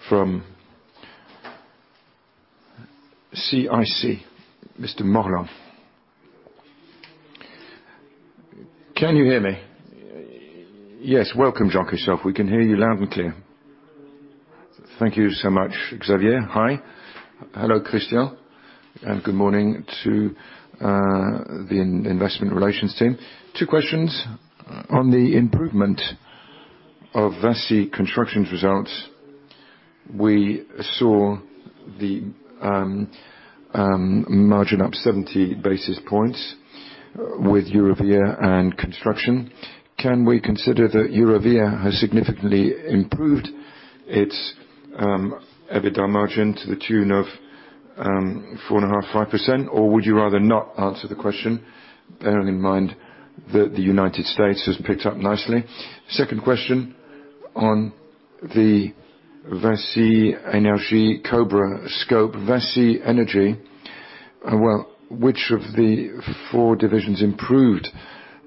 from CIC, Mr. Mora. Can you hear me? Yes, welcome, Jacques. We can hear you loud and clear. Thank you so much, Xavier. Hi. Hello, Christian, and good morning to the investment relations team. Two questions. On the improvement of VINCI Construction results, we saw the margin up 70 basis points with Eurovia and Construction. Can we consider that Eurovia has significantly improved its EBITDA margin to the tune of 4.5%-5%, or would you rather not answer the question, bearing in mind that the United States has picked up nicely? Second question on the VINCI Energies Cobra scope. VINCI Energies, which of the four divisions improved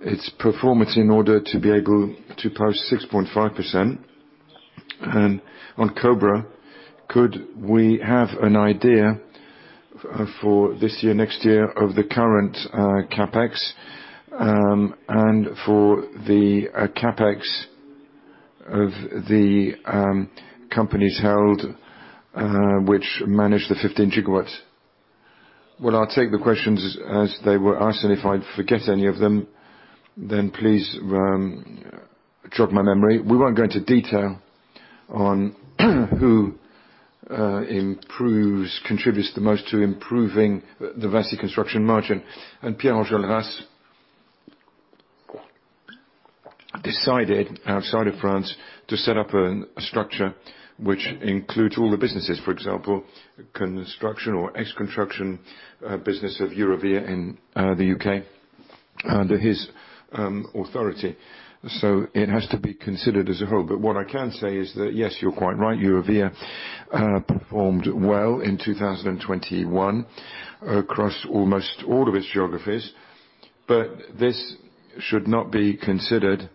its performance in order to be able to post 6.5%? On Cobra, could we have an idea, for this year, next year of the current CapEx, and for the CapEx of the companies held, which manage the 15 GW? Well, I'll take the questions as they were asked, and if I forget any of them, then please jog my memory. We won't go into detail on who improves, contributes the most to improving the VINCI Construction margin. Pierre Anjolras decided outside of France to set up a structure which includes all the businesses, for example, construction or ex-construction business of Eurovia in the U.K. Under his authority. It has to be considered as a whole. What I can say is that, yes, you're quite right. Eurovia performed well in 2021 across almost all of its geographies. This should not be considered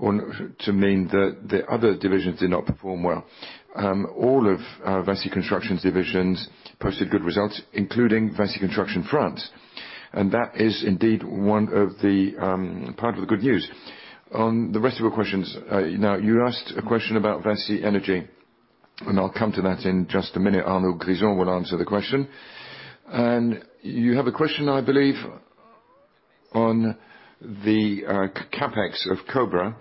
to mean that the other divisions did not perform well. All of VINCI Construction's divisions posted good results, including VINCI Construction France, and that is indeed one of the part of the good news. On the rest of your questions, now you asked a question about VINCI Energies, and I'll come to that in just a minute. Arnaud Grison will answer the question. You have a question, I believe, on the CapEx of Cobra.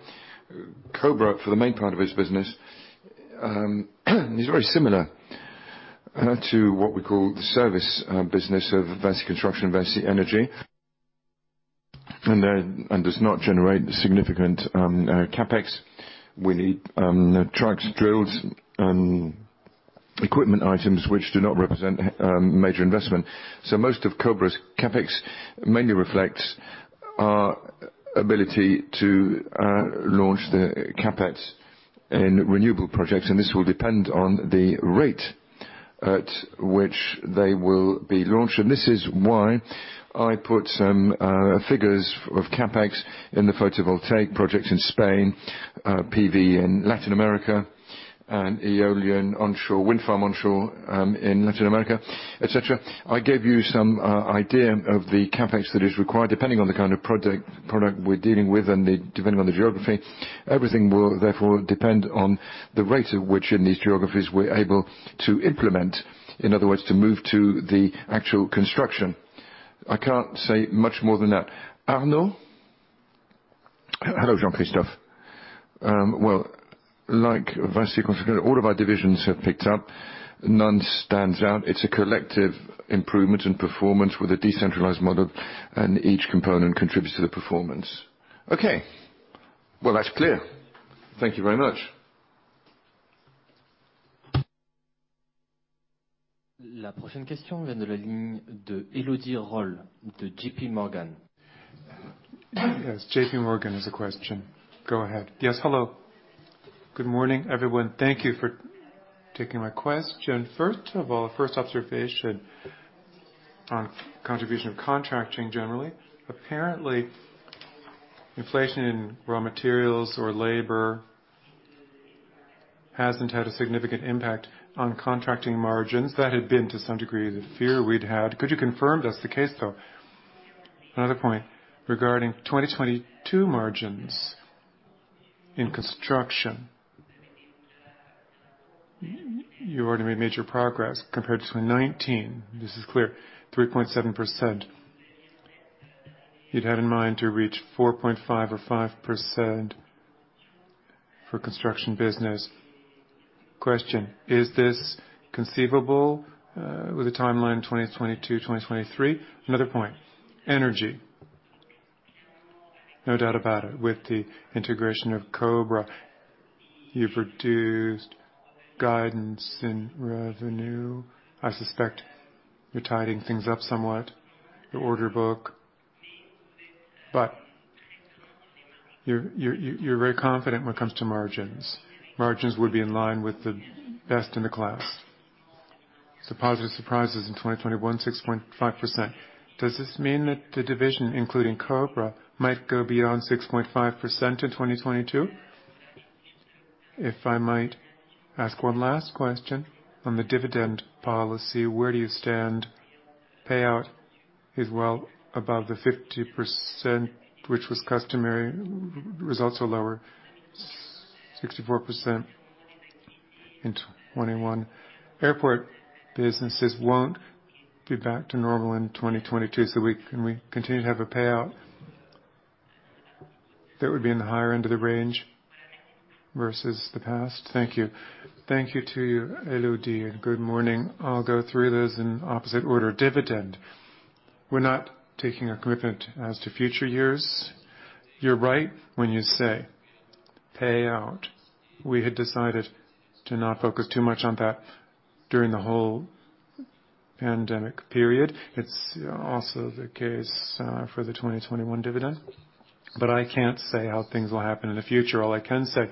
Cobra, for the main part of its business, is very similar to what we call the service business of VINCI Construction and VINCI Energies, and does not generate significant CapEx. We need trucks, drills, and equipment items which do not represent major investment. Most of Cobra's CapEx mainly reflects our ability to launch the CapEx in renewable projects, and this will depend on the rate at which they will be launched. This is why I put some figures of CapEx in the photovoltaic project in Spain, PV in Latin America and aeolian onshore, wind farm onshore, in Latin America, et cetera. I gave you some idea of the CapEx that is required depending on the kind of project, product we're dealing with and depending on the geography. Everything will therefore depend on the rate at which in these geographies we're able to implement, in other words, to move to the actual construction. I can't say much more than that. Arnaud? Hello, Jean-Christophe. VINCI Construction, all of our divisions have picked up. None stands out. It's a collective improvement in performance with a decentralized model, and each component contributes to the performance. Okay. Well, that's clear. Thank you very much. JPMorgan. Yes, JPMorgan has a question. Go ahead. Yes, hello. Good morning, everyone. Thank you for taking my question. First of all, first observation on contribution of contracting generally. Apparently, inflation in raw materials or labor hasn't had a significant impact on contracting margins. That had been to some degree the fear we'd had. Could you confirm that's the case, though? Another point, regarding 2022 margins in construction. You've already made major progress compared to 2019. This is clear, 3.7%. You'd had in mind to reach 4.5% or 5% for construction business. Question, is this conceivable, with a timeline 2022, 2023? Another point, energy. No doubt about it. With the integration of Cobra, you've reduced guidance in revenue. I suspect you're tidying things up somewhat, your order book, but you're very confident when it comes to margins. Margins would be in line with the best in the class. Positive surprises in 2021, 6.5%. Does this mean that the division, including Cobra, might go beyond 6.5% in 2022? If I might ask one last question on the dividend policy, where do you stand? Payout is well above the 50%, which was customary. Results are lower, 64% in 2021. Airport businesses won't be back to normal in 2022, so can we continue to have a payout that would be in the higher end of the range versus the past? Thank you. Thank you to you, Elodie, and good morning. I'll go through those in opposite order. Dividend. We're not taking a commitment as to future years. You're right when you say payout. We had decided to not focus too much on that during the whole pandemic period. It's also the case for the 2021 dividend. I can't say how things will happen in the future. All I can say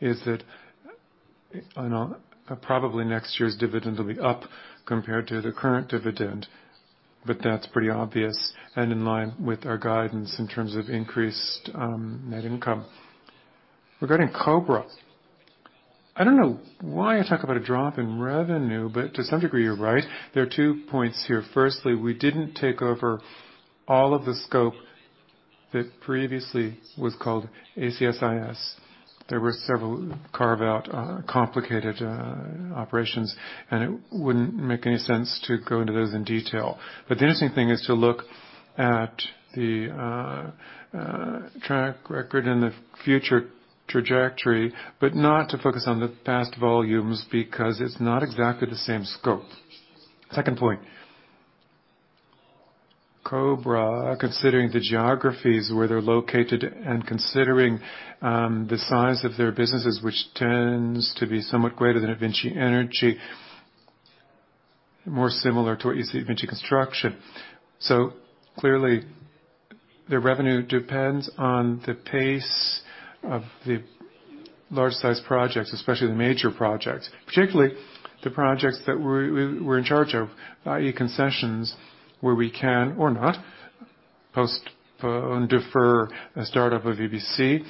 is that I know probably next year's dividend will be up compared to the current dividend, but that's pretty obvious and in line with our guidance in terms of increased net income. Regarding Cobra, I don't know why I talk about a drop in revenue, but to some degree, you're right. There are two points here. Firstly, we didn't take over all of the scope that previously was called ACS IS. There were several carve-out complicated operations, and it wouldn't make any sense to go into those in detail. The interesting thing is to look at the track record and the future trajectory, but not to focus on the past volumes, because it's not exactly the same scope. Second point, Cobra, considering the geographies where they're located and considering the size of their businesses, which tends to be somewhat greater than VINCI Energies more similar to what you see in VINCI Construction. So clearly, their revenue depends on the pace of the large-sized projects, especially the major projects, particularly the projects that we're in charge of, i.e., concessions, where we can or not postpone, defer a startup of EPC,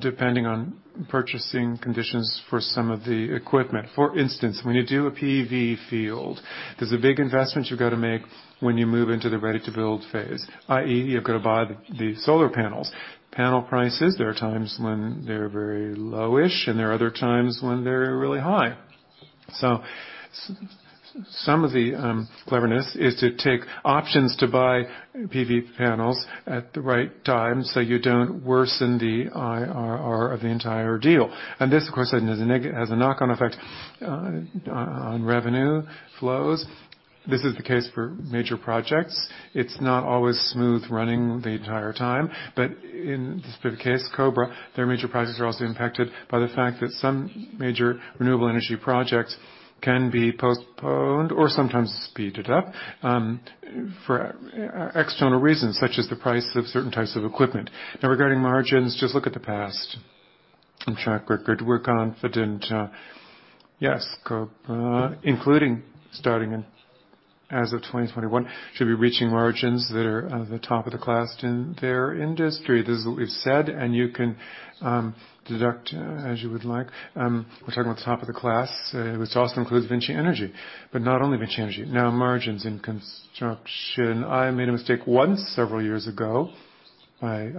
depending on purchasing conditions for some of the equipment. For instance, when you do a PV field, there's a big investment you've got to make when you move into the ready-to-build phase, i.e., you've got to buy the solar panels. Panel prices, there are times when they're very low-ish, and there are other times when they're really high. Some of the cleverness is to take options to buy PV panels at the right time so you don't worsen the IRR of the entire deal. This, of course, has a knock-on effect on revenue flows. This is the case for major projects. It's not always smooth running the entire time. In the specific case, Cobra, their major projects are also impacted by the fact that some major renewable energy projects can be postponed or sometimes speeded up for external reasons, such as the price of certain types of equipment. Regarding margins, just look at the past and track record. We're confident, yes, Cobra, including starting in as of 2021, should be reaching margins that are the top of the class in their industry. This is what we've said, and you can deduce as you would like. We're talking about top of the class, which also includes VINCI Energies, but not only VINCI Energies. Now, margins in construction. I made a mistake once several years ago by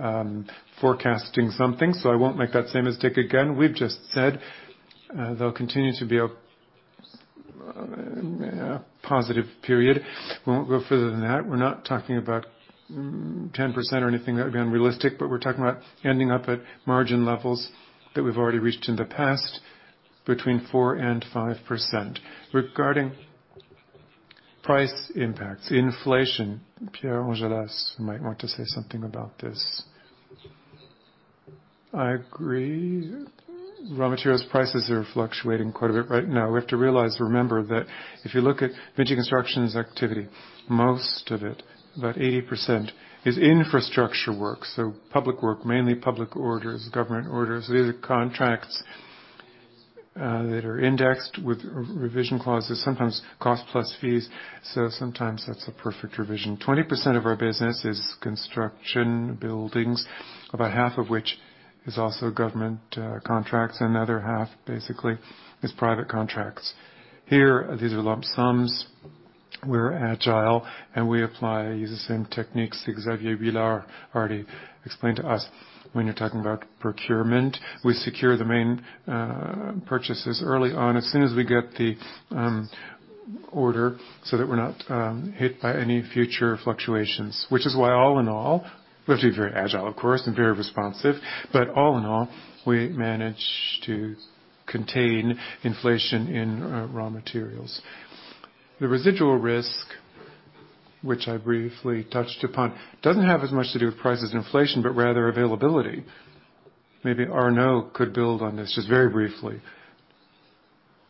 forecasting something, so I won't make that same mistake again. We've just said, there'll continue to be a positive period. We won't go further than that. We're not talking about 10% or anything that would be unrealistic, but we're talking about ending up at margin levels that we've already reached in the past, between 4% to 5%. Regarding price impacts, inflation, Pierre Anjolras might want to say something about this. I agree. Raw materials prices are fluctuating quite a bit right now. We have to realize, remember that if you look at VINCI Construction's activity, most of it, about 80%, is infrastructure work, so public work, mainly public orders, government orders. These are contracts that are indexed with revision clauses, sometimes cost plus fees, so sometimes that's a perfect revision. 20% of our business is construction buildings, about half of which is also government contracts. Another half basically is private contracts. Here, these are lump sums. We're agile, and we apply the same techniques Xavier Huillard already explained to us when you're talking about procurement. We secure the main purchases early on as soon as we get the order so that we're not hit by any future fluctuations, which is why all in all, we have to be very agile, of course, and very responsive. All in all, we manage to contain inflation in raw materials. The residual risk, which I briefly touched upon, doesn't have as much to do with prices inflation, but rather availability. Maybe Arnaud could build on this just very briefly,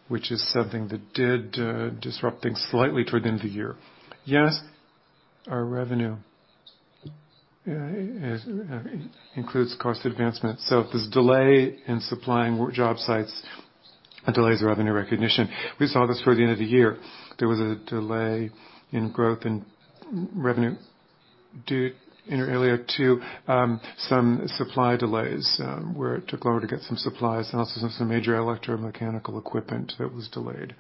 which is something that did disrupt things slightly toward the end of the year. Yes, our revenue includes cost advancement. If there's delay in supplying work job sites, a delay in revenue recognition. We saw this for the end of the year. There was a delay in growth in revenue due inter alia to some supply delays where it took longer to get some supplies and also some major electromechanical equipment that was delayed.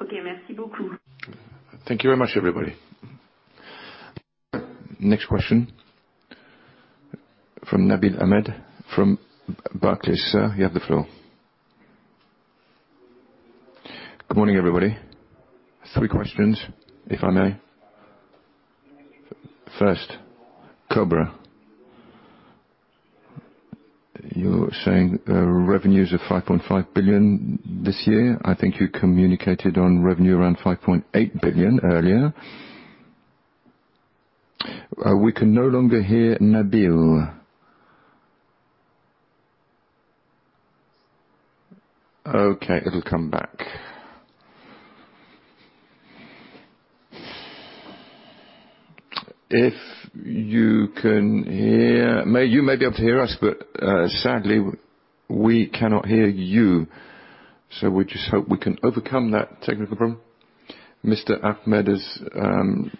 Okay. [Foreign language: Merci beaucoup.] Thank you very much, everybody. Next question from Nabil Ahmed from Barclays. Sir, you have the floor. Good morning, everybody. Three questions, if I may. First, Cobra. You're saying revenues are 5.5 billion this year. I think you communicated on revenue around 5.8 billion earlier. We can no longer hear Nabil. Okay, it'll come back. If you can hear us, you may be able to hear us, but sadly, we cannot hear you. We just hope we can overcome that technical problem. Mr. Ahmed has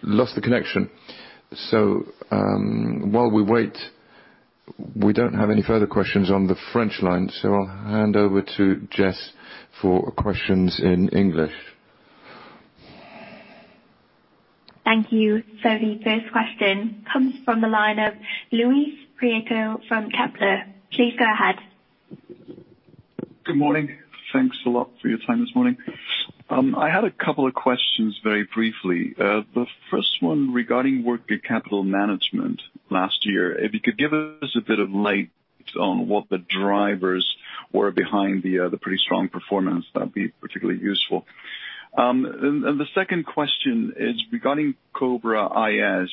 lost the connection. While we wait, we don't have any further questions on the French line, so I'll hand over to Jess for questions in English. Thank you. The first question comes from the line of Luis Prieto from Kepler. Please go ahead. Good morning. Thanks a lot for your time this morning. I had a couple of questions very briefly. The first one regarding working capital management last year. If you could give us a bit of light on what the drivers were behind the pretty strong performance, that'd be particularly useful. And the second question is regarding Cobra IS.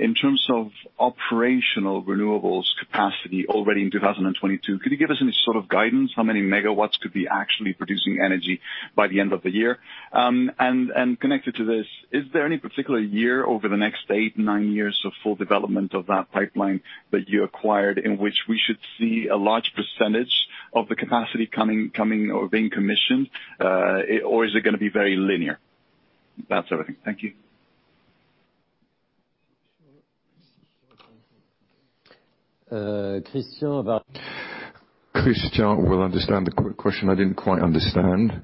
In terms of operational renewables capacity already in 2022, could you give us any sort of guidance how many megawatts could be actually producing energy by the end of the year? And connected to this, is there any particular year over the next 8, 9 years of full development of that pipeline that you acquired in which we should see a large percentage of the capacity coming or being commissioned? Or is it gonna be very linear? That's everything. Thank you. Christian, Christian will understand the question I didn't quite understand.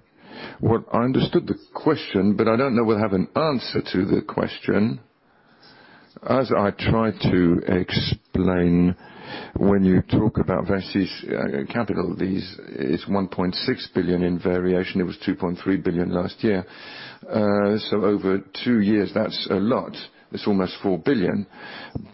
I understood the question, but I don't know we'll have an answer to the question. As I tried to explain, when you talk about VINCI's capital, this is 1.6 billion in variation. It was 2.3 billion last year. Over 2 years, that's a lot. It's almost 4 billion.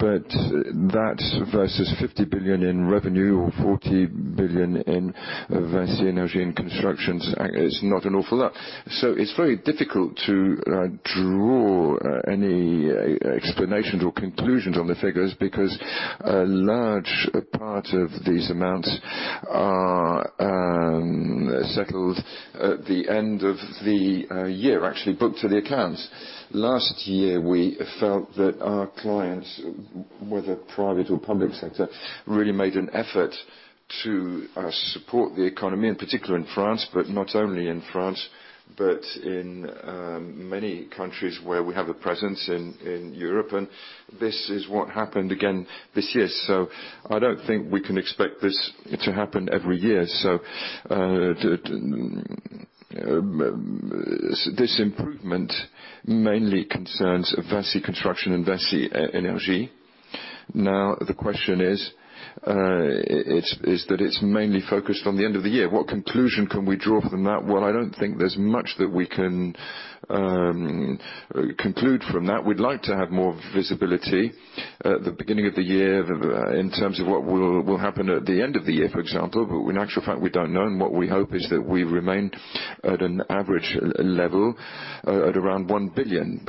That versus 50 billion in revenue or 40 billion in VINCI Energies and Construction is not an awful lot. It's very difficult to draw any explanations or conclusions on the figures because a large part of these amounts are settled at the end of the year, actually, booked to the accounts. Last year, we felt that our clients, whether private or public sector, really made an effort to support the economy, in particular in France, but not only in France, but in many countries where we have a presence in Europe. This is what happened again this year. I don't think we can expect this to happen every year. This improvement mainly concerns VINCI Construction and VINCI Energies. Now, the question is, it's mainly focused on the end of the year. What conclusion can we draw from that? Well, I don't think there's much that we can conclude from that. We'd like to have more visibility at the beginning of the year in terms of what will happen at the end of the year, for example. In actual fact, we don't know. What we hope is that we remain at an average level at around 1 billion.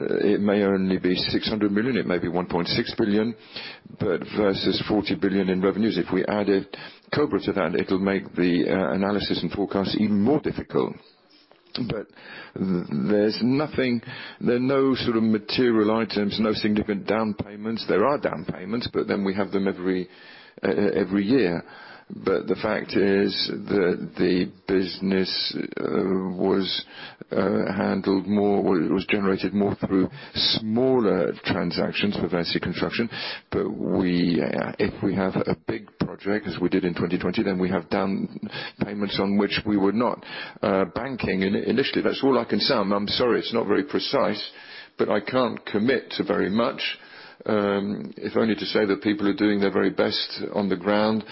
It may only be 600 million, it may be 1.6 billion, but versus 40 billion in revenues. If we added Cobra to that, it'll make the analysis and forecast even more difficult. There's nothing. There are no sort of material items, no significant down payments. There are down payments, but then we have them every year. The fact is that the business was handled more, or it was generated more through smaller transactions with Vinci Construction. We, if we have a big project, as we did in 2020, then we have down payments on which we were not banking initially. That's all I can say. I'm sorry it's not very precise, but I can't commit to very much. If only to say that people are doing their very best on the ground,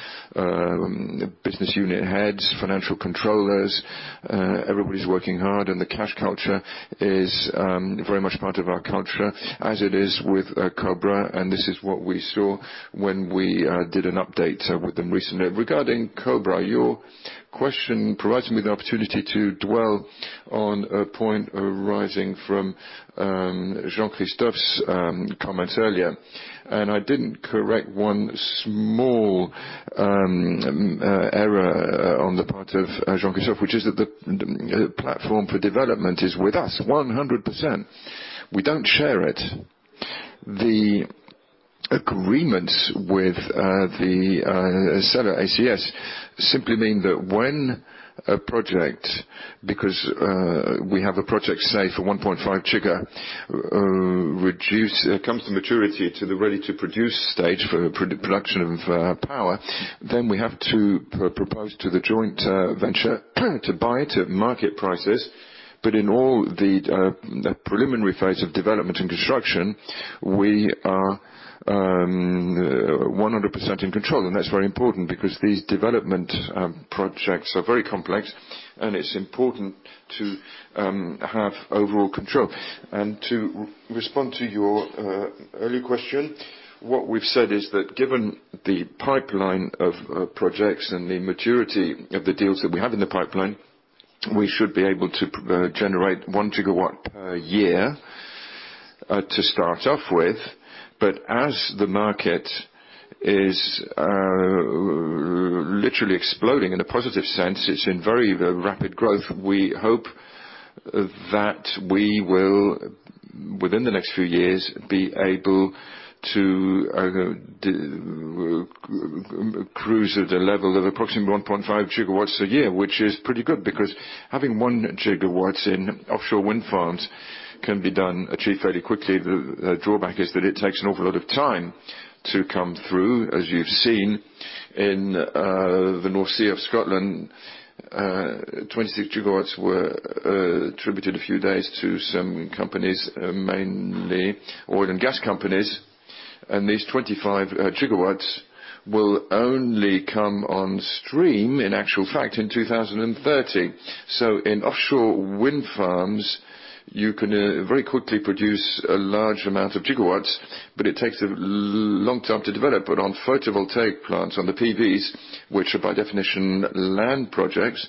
business unit heads, financial controllers, everybody's working hard, and the cash culture is very much part of our culture, as it is with Cobra. This is what we saw when we did an update with them recently. Regarding Cobra, your question provides me the opportunity to dwell on a point arising from Jean-Christophe's comments earlier. I didn't correct one small error on the part of Jean-Christophe, which is that the platform for development is with us 100%. We don't share it. The agreement with the seller, ACS, simply mean that when we have a project, say, for 1.5 giga, reduced... comes to maturity to the ready-to-produce stage for production of power, then we have to propose to the joint venture to buy it at market prices. In all the preliminary phase of development and construction, we are 100% in control. That's very important because these development projects are very complex, and it's important to have overall control. To respond to your early question, what we've said is that given the pipeline of projects and the maturity of the deals that we have in the pipeline, we should be able to generate 1 gigawatt per year to start off with. As the market is literally exploding in a positive sense, it's in very rapid growth. We hope that we will, within the next few years, be able to cruise at a level of approximately 1.5 gigawatts a year, which is pretty good, because having 1 gigawatts in offshore wind farms can be done, achieved fairly quickly. The drawback is that it takes an awful lot of time to come through. As you've seen in the North Sea of Scotland, 26 gigawatts were attributed a few days to some companies, mainly oil and gas companies. These 25 gigawatts will only come on stream in actual fact in 2030. In offshore wind farms, you can very quickly produce a large amount of gigawatts, but it takes a long time to develop. On photovoltaic plants, on the PVs, which are by definition land projects,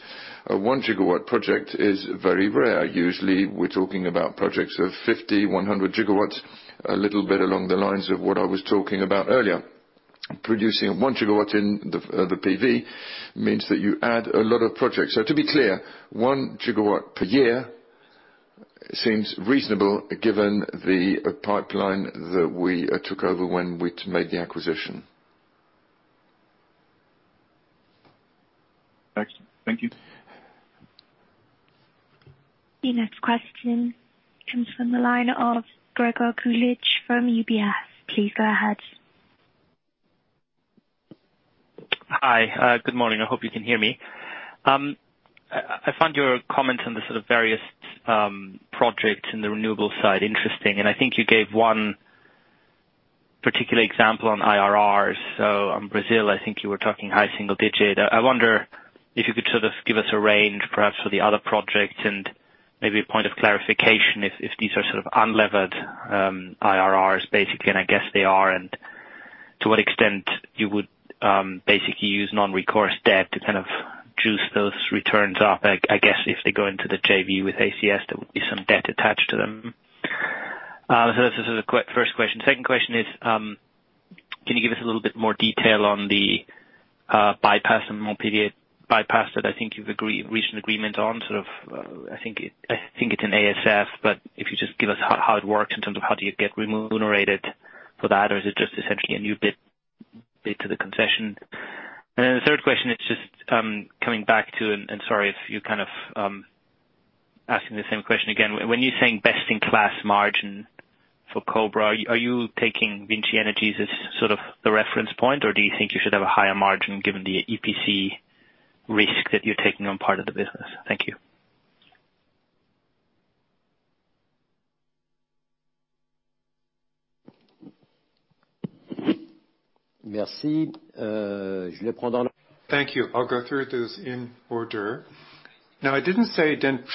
a 1 gigawatt project is very rare. Usually, we're talking about projects of 50-100 GW, a little bit along the lines of what I was talking about earlier. Producing 1 GW in the PV means that you add a lot of projects. To be clear, 1 GW per year seems reasonable given the pipeline that we took over when we made the acquisition. Thanks. Thank you. The next question comes from the line of Gregor Kuglitsch from UBS. Please go ahead. Hi. Good morning. I hope you can hear me. I find your comments on the sort of various projects in the renewables side interesting, and I think you gave one particular example on IRRs. On Brazil, I think you were talking high single digit. I wonder if you could sort of give us a range perhaps for the other projects and maybe a point of clarification if these are sort of unlevered IRRs, basically, and I guess they are, and to what extent you would basically use non-recourse debt to kind of juice those returns up. I guess if they go into the JV with ACS, there will be some debt attached to them. This is the first question. Second question is, can you give us a little bit more detail on the Montpellier bypass that I think you've reached an agreement on, sort of, I think it's an ASF, but if you just give us how it works in terms of how do you get remunerated for that? Or is it just essentially a new bit to the concession? The third question is just coming back to and sorry if you're kind of asking the same question again. When you're saying best in class margin for Cobra, are you taking VINCI Energies as sort of the reference point, or do you think you should have a higher margin given the EPC risk that you're taking on part of the business? Thank you. Merci. Thank you. I'll go through those in order. Now, I didn't say 10%.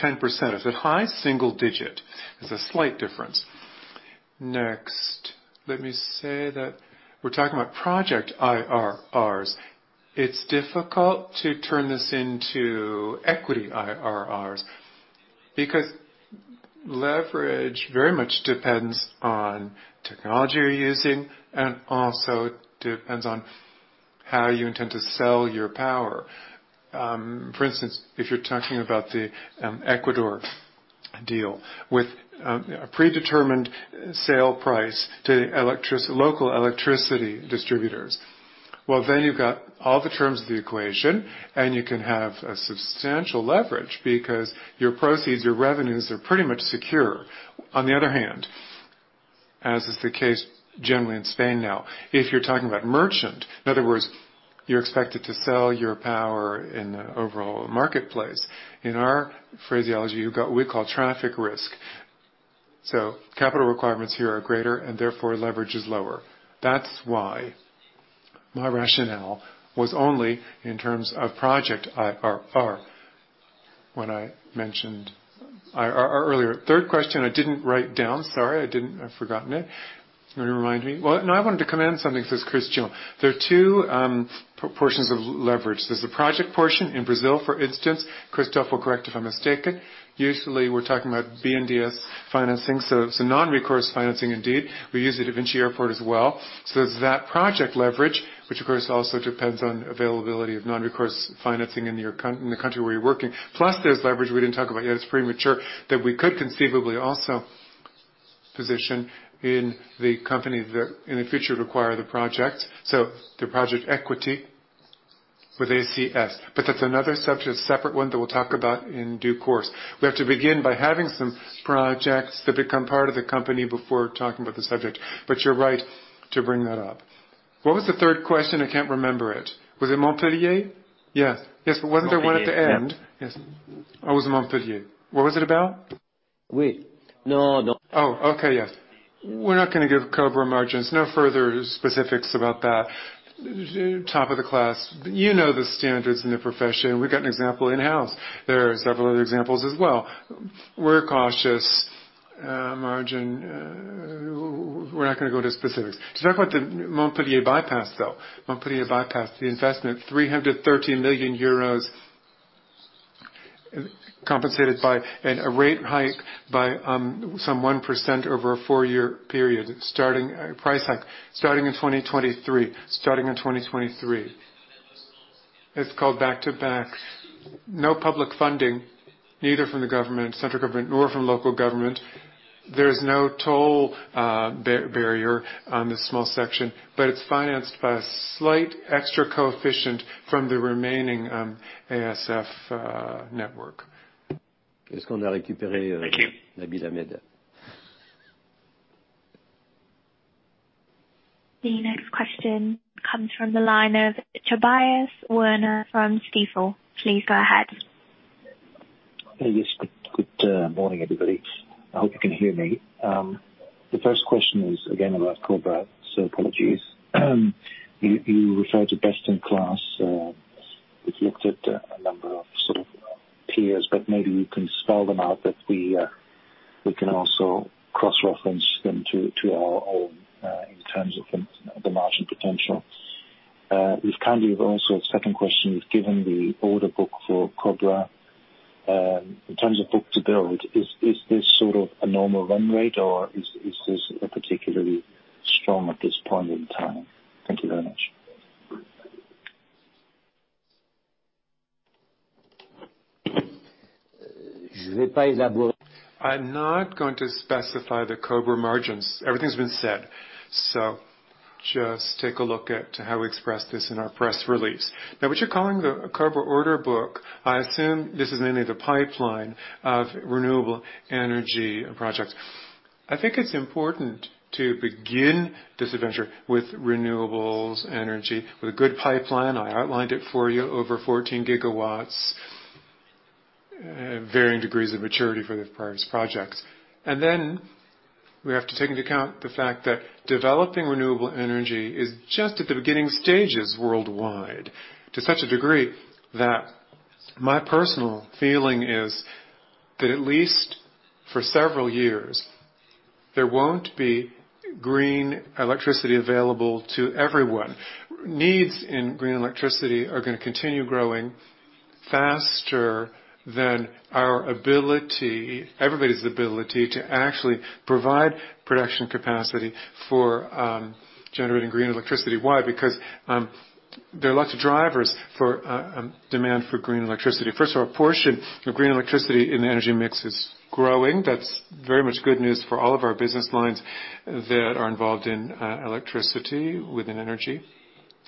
I said high single digit. There's a slight difference. Next, let me say that we're talking about project IRRs. It's difficult to turn this into equity IRRs because leverage very much depends on technology you're using, and also it depends on how you intend to sell your power. For instance, if you're talking about the Ecuador deal with a predetermined sale price to local electricity distributors, well, then you've got all the terms of the equation, and you can have a substantial leverage because your proceeds, your revenues are pretty much secure. On the other hand, as is the case generally in Spain now, if you're talking about merchant, in other words, you're expected to sell your power in the overall marketplace. In our phraseology, you've got what we call traffic risk. Capital requirements here are greater, and therefore, leverage is lower. That's why my rationale was only in terms of project IRR when I mentioned IRR earlier. Third question I didn't write down. Sorry, I didn't. I've forgotten it. Can you remind me? Well, no, I wanted to comment on something, says Christian. There are two portions of leverage. There's the project portion in Brazil, for instance. Christophe will correct if I'm mistaken. Usually, we're talking about BNDES financing, so it's a non-recourse financing indeed. We use it at VINCI Airport as well. There's that project leverage, which of course also depends on availability of non-recourse financing in the country where you're working. Plus, there's leverage we didn't talk about yet. It's premature, that we could conceivably also position in the company that in the future require the project, so the project equity with ACS. That's another subject, a separate one that we'll talk about in due course. We have to begin by having some projects that become part of the company before talking about the subject, but you're right to bring that up. What was the third question? I can't remember it. Was it Montpellier? Yes. Yes, but wasn't there one at the end? Montpellier, yep. Yes. Oh, it was Montpellier. What was it about? Wait. No, no. Oh, okay. Yes. We're not gonna give Cobra margins, no further specifics about that. Top of the class. You know the standards in the profession. We've got an example in-house. There are several other examples as well. We're cautious, margin, we're not gonna go to specifics. To talk about the Montpellier Bypass, though, the investment, 313 million euros compensated by a rate hike by some 1% over a 4-year period, starting price hike in 2023. It's called back-to-back. No public funding, neither from the government, central government, nor from local government. There's no toll barrier on this small section, but it's financed by a slight extra coefficient from the remaining ASF network. Thank you. The next question comes from the line of Tobias Woerner from Stifel. Please go ahead. Yes. Good morning, everybody. I hope you can hear me. The first question is again about Cobra, so apologies. You referred to best in class. We've looked at a number of sort of peers, but maybe you can spell them out that we can also cross-reference them to our own in terms of the margin potential. If kindly also second question, given the order book for Cobra, in terms of book-to-bill, is this sort of a normal run rate or is this particularly strong at this point in time? Thank you very much. I'm not going to specify the Cobra margins. Everything's been said. Just take a look at how we expressed this in our press release. Now, what you're calling the Cobra order book, I assume this is mainly the pipeline of renewable energy projects. I think it's important to begin this adventure with renewable energy with a good pipeline. I outlined it for you, over 14 GW, varying degrees of maturity for the various projects. We have to take into account the fact that developing renewable energy is just at the beginning stages worldwide to such a degree that my personal feeling is that at least for several years, there won't be green electricity available to everyone. Needs in green electricity are gonna continue growing faster than our ability, everybody's ability, to actually provide production capacity for generating green electricity. Why? Because there are lots of drivers for demand for green electricity. First of all, a portion of green electricity in the energy mix is growing. That's very much good news for all of our business lines that are involved in electricity within energy.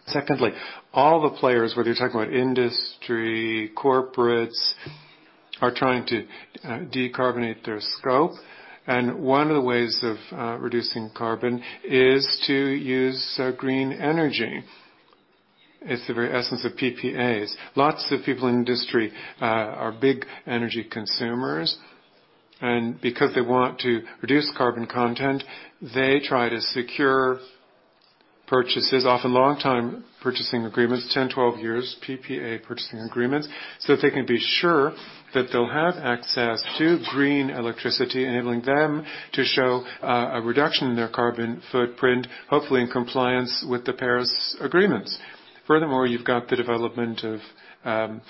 Secondly, all the players, whether you're talking about industry, corporates, are trying to decarbonate their scope, and one of the ways of reducing carbon is to use green energy. It's the very essence of PPAs. Lots of people in industry are big energy consumers, and because they want to reduce carbon content, they try to secure purchases, often long-term purchasing agreements, 10, 12 years PPA purchasing agreements, so they can be sure that they'll have access to green electricity, enabling them to show a reduction in their carbon footprint, hopefully in compliance with the Paris Agreement. Furthermore, you've got the development of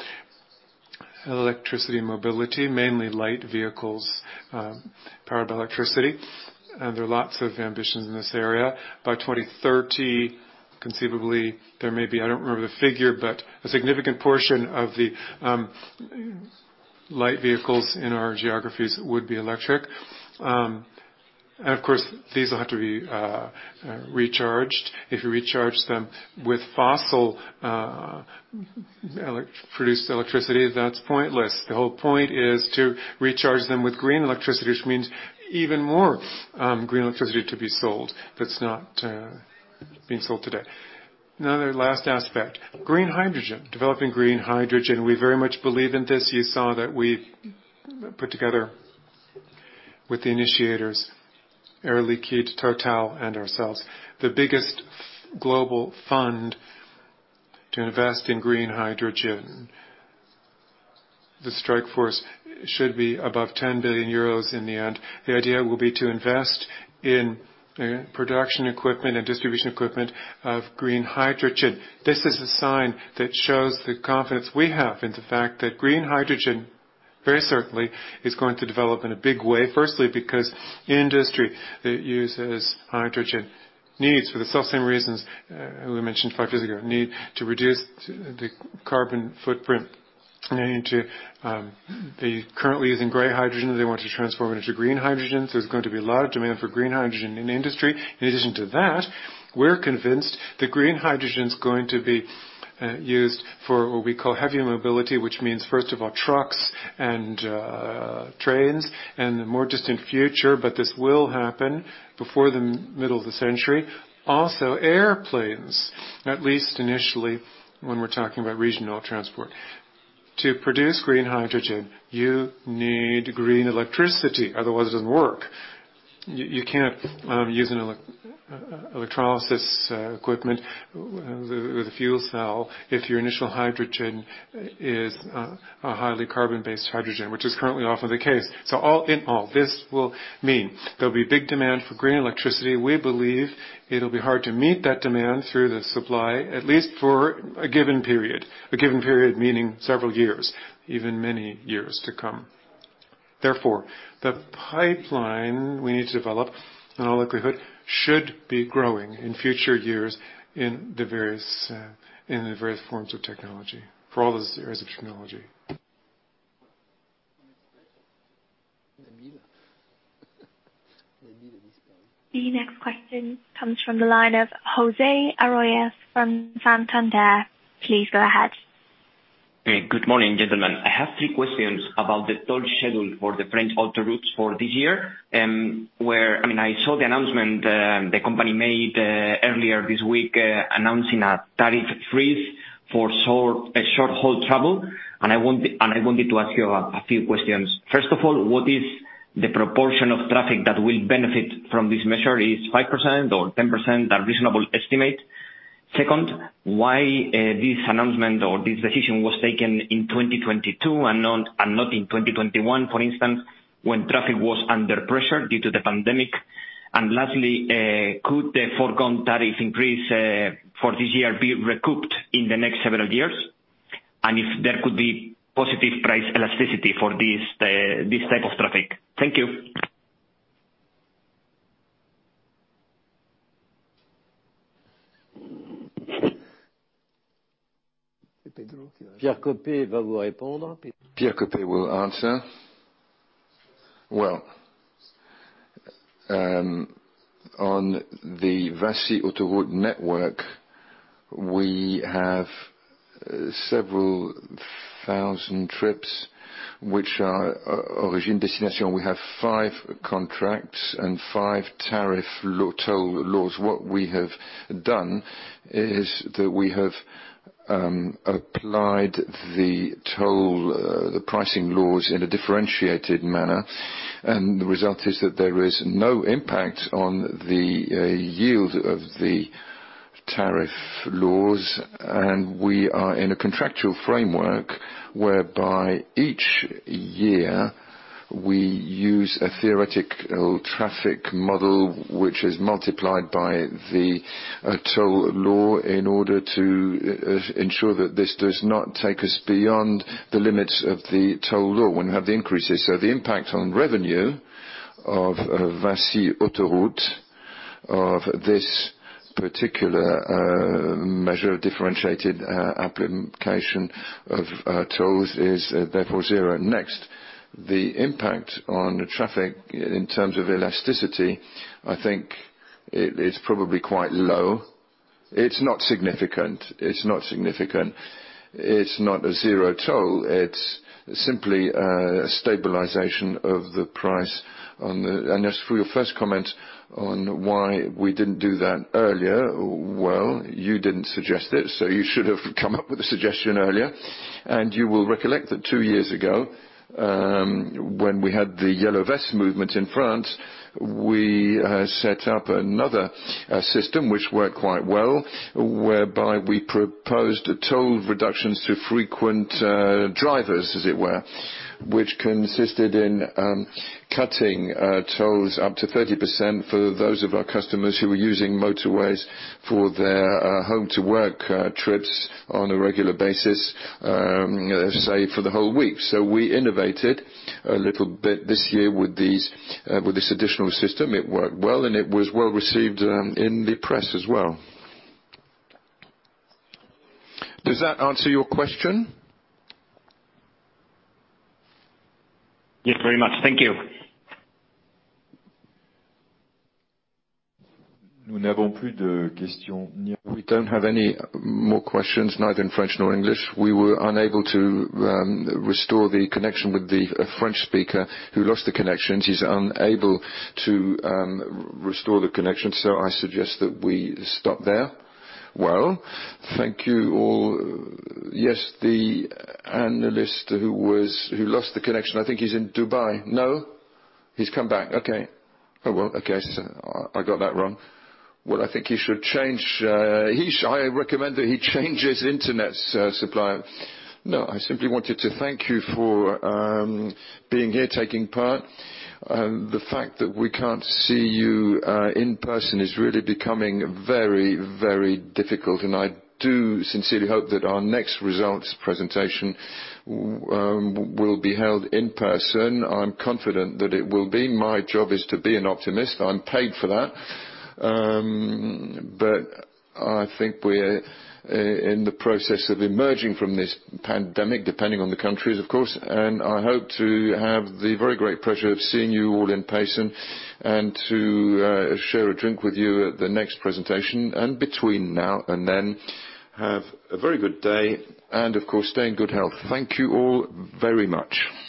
electricity mobility, mainly light vehicles, powered by electricity. There are lots of ambitions in this area. By 2030, conceivably, there may be, I don't remember the figure, but a significant portion of the light vehicles in our geographies would be electric. Of course, these will have to be recharged. If you recharge them with fossil produced electricity, that's pointless. The whole point is to recharge them with green electricity, which means even more green electricity to be sold that's not being sold today. Another last aspect, green hydrogen. Developing green hydrogen, we very much believe in this. You saw that we put together with the initiators, Air Liquide, TotalEnergies, and ourselves, the biggest global fund to invest in green hydrogen. The strike force should be above 10 billion euros in the end. The idea will be to invest in production equipment and distribution equipment of green hydrogen. This is a sign that shows the confidence we have in the fact that green hydrogen very certainly is going to develop in a big way. Firstly, because industry that uses hydrogen needs, for the selfsame reasons we mentioned five years ago, need to reduce the carbon footprint. They need to. They're currently using gray hydrogen. They want to transform it into green hydrogen. There's going to be a lot of demand for green hydrogen in industry. In addition to that, we're convinced that green hydrogen is going to be used for what we call heavy mobility, which means, first of all, trucks and trains, and in the more distant future, but this will happen before the middle of the century, also airplanes, at least initially, when we're talking about regional transport. To produce green hydrogen, you need green electricity, otherwise it doesn't work. You can't use an electrolysis equipment with a fuel cell if your initial hydrogen is a highly carbon-based hydrogen, which is currently often the case. So all in all, this will mean there'll be big demand for green electricity. We believe it'll be hard to meet that demand through the supply, at least for a given period, a given period meaning several years, even many years to come. Therefore, the pipeline we need to develop, in all likelihood, should be growing in future years in the various forms of technology, for all those areas of technology. The next question comes from the line of José Arroyas from Santander. Please go ahead. Hey, good morning, gentlemen. I have three questions about the toll schedule for the French autoroutes for this year. I mean, I saw the announcement the company made earlier this week announcing a tariff freeze for short-haul travel. I wanted to ask you a few questions. First of all, what is the proportion of traffic that will benefit from this measure? Is 5% or 10% a reasonable estimate? Second, why this announcement or this decision was taken in 2022 and not in 2021, for instance, when traffic was under pressure due to the pandemic? Lastly, could the foregone tariff increase for this year be recouped in the next several years? And if there could be positive price elasticity for this type of traffic. Thank you. Pierre Coppey will answer. Well, on the VINCI Autoroutes network, we have several thousand trips which are origin destination. We have five contracts and five toll laws. What we have done is that we have applied the toll, the pricing laws in a differentiated manner, and the result is that there is no impact on the yield of the tariff laws. We are in a contractual framework whereby each year we use a theoretical traffic model which is multiplied by the toll law in order to ensure that this does not take us beyond the limits of the toll law when we have the increases. The impact on revenue of VINCI Autoroutes of this particular measure of differentiated application of tolls is, therefore, zero. Next, the impact on traffic in terms of elasticity, I think it is probably quite low. It's not significant. It's not a zero toll. It's simply a stabilization of the price. As for your first comment on why we didn't do that earlier, well, you didn't suggest it, so you should have come up with the suggestion earlier. You will recollect that two years ago, when we had the Yellow Vests movement in France, we set up another system which worked quite well, whereby we proposed toll reductions to frequent drivers, as it were, which consisted in cutting tolls up to 30% for those of our customers who were using motorways for their home-to-work trips on a regular basis, say for the whole week. We innovated a little bit this year with this additional system. It worked well, and it was well-received in the press as well. Does that answer your question? Yes, very much. Thank you. We don't have any more questions, neither in French nor English. We were unable to restore the connection with the French speaker who lost the connection. He's unable to restore the connection, so I suggest that we stop there. Well, thank you all. Yes, the analyst who lost the connection, I think he's in Dubai. No? He's come back. Okay. Oh, well, I guess I got that wrong. Well, I think he should change his internet supplier. I recommend that he change his internet supplier. No, I simply wanted to thank you for being here taking part. The fact that we can't see you in person is really becoming very, very difficult, and I do sincerely hope that our next results presentation will be held in person. I'm confident that it will be. My job is to be an optimist. I'm paid for that. I think we're in the process of emerging from this pandemic, depending on the countries, of course, and I hope to have the very great pleasure of seeing you all in person and to share a drink with you at the next presentation. Between now and then, have a very good day and of course, stay in good health. Thank you all very much.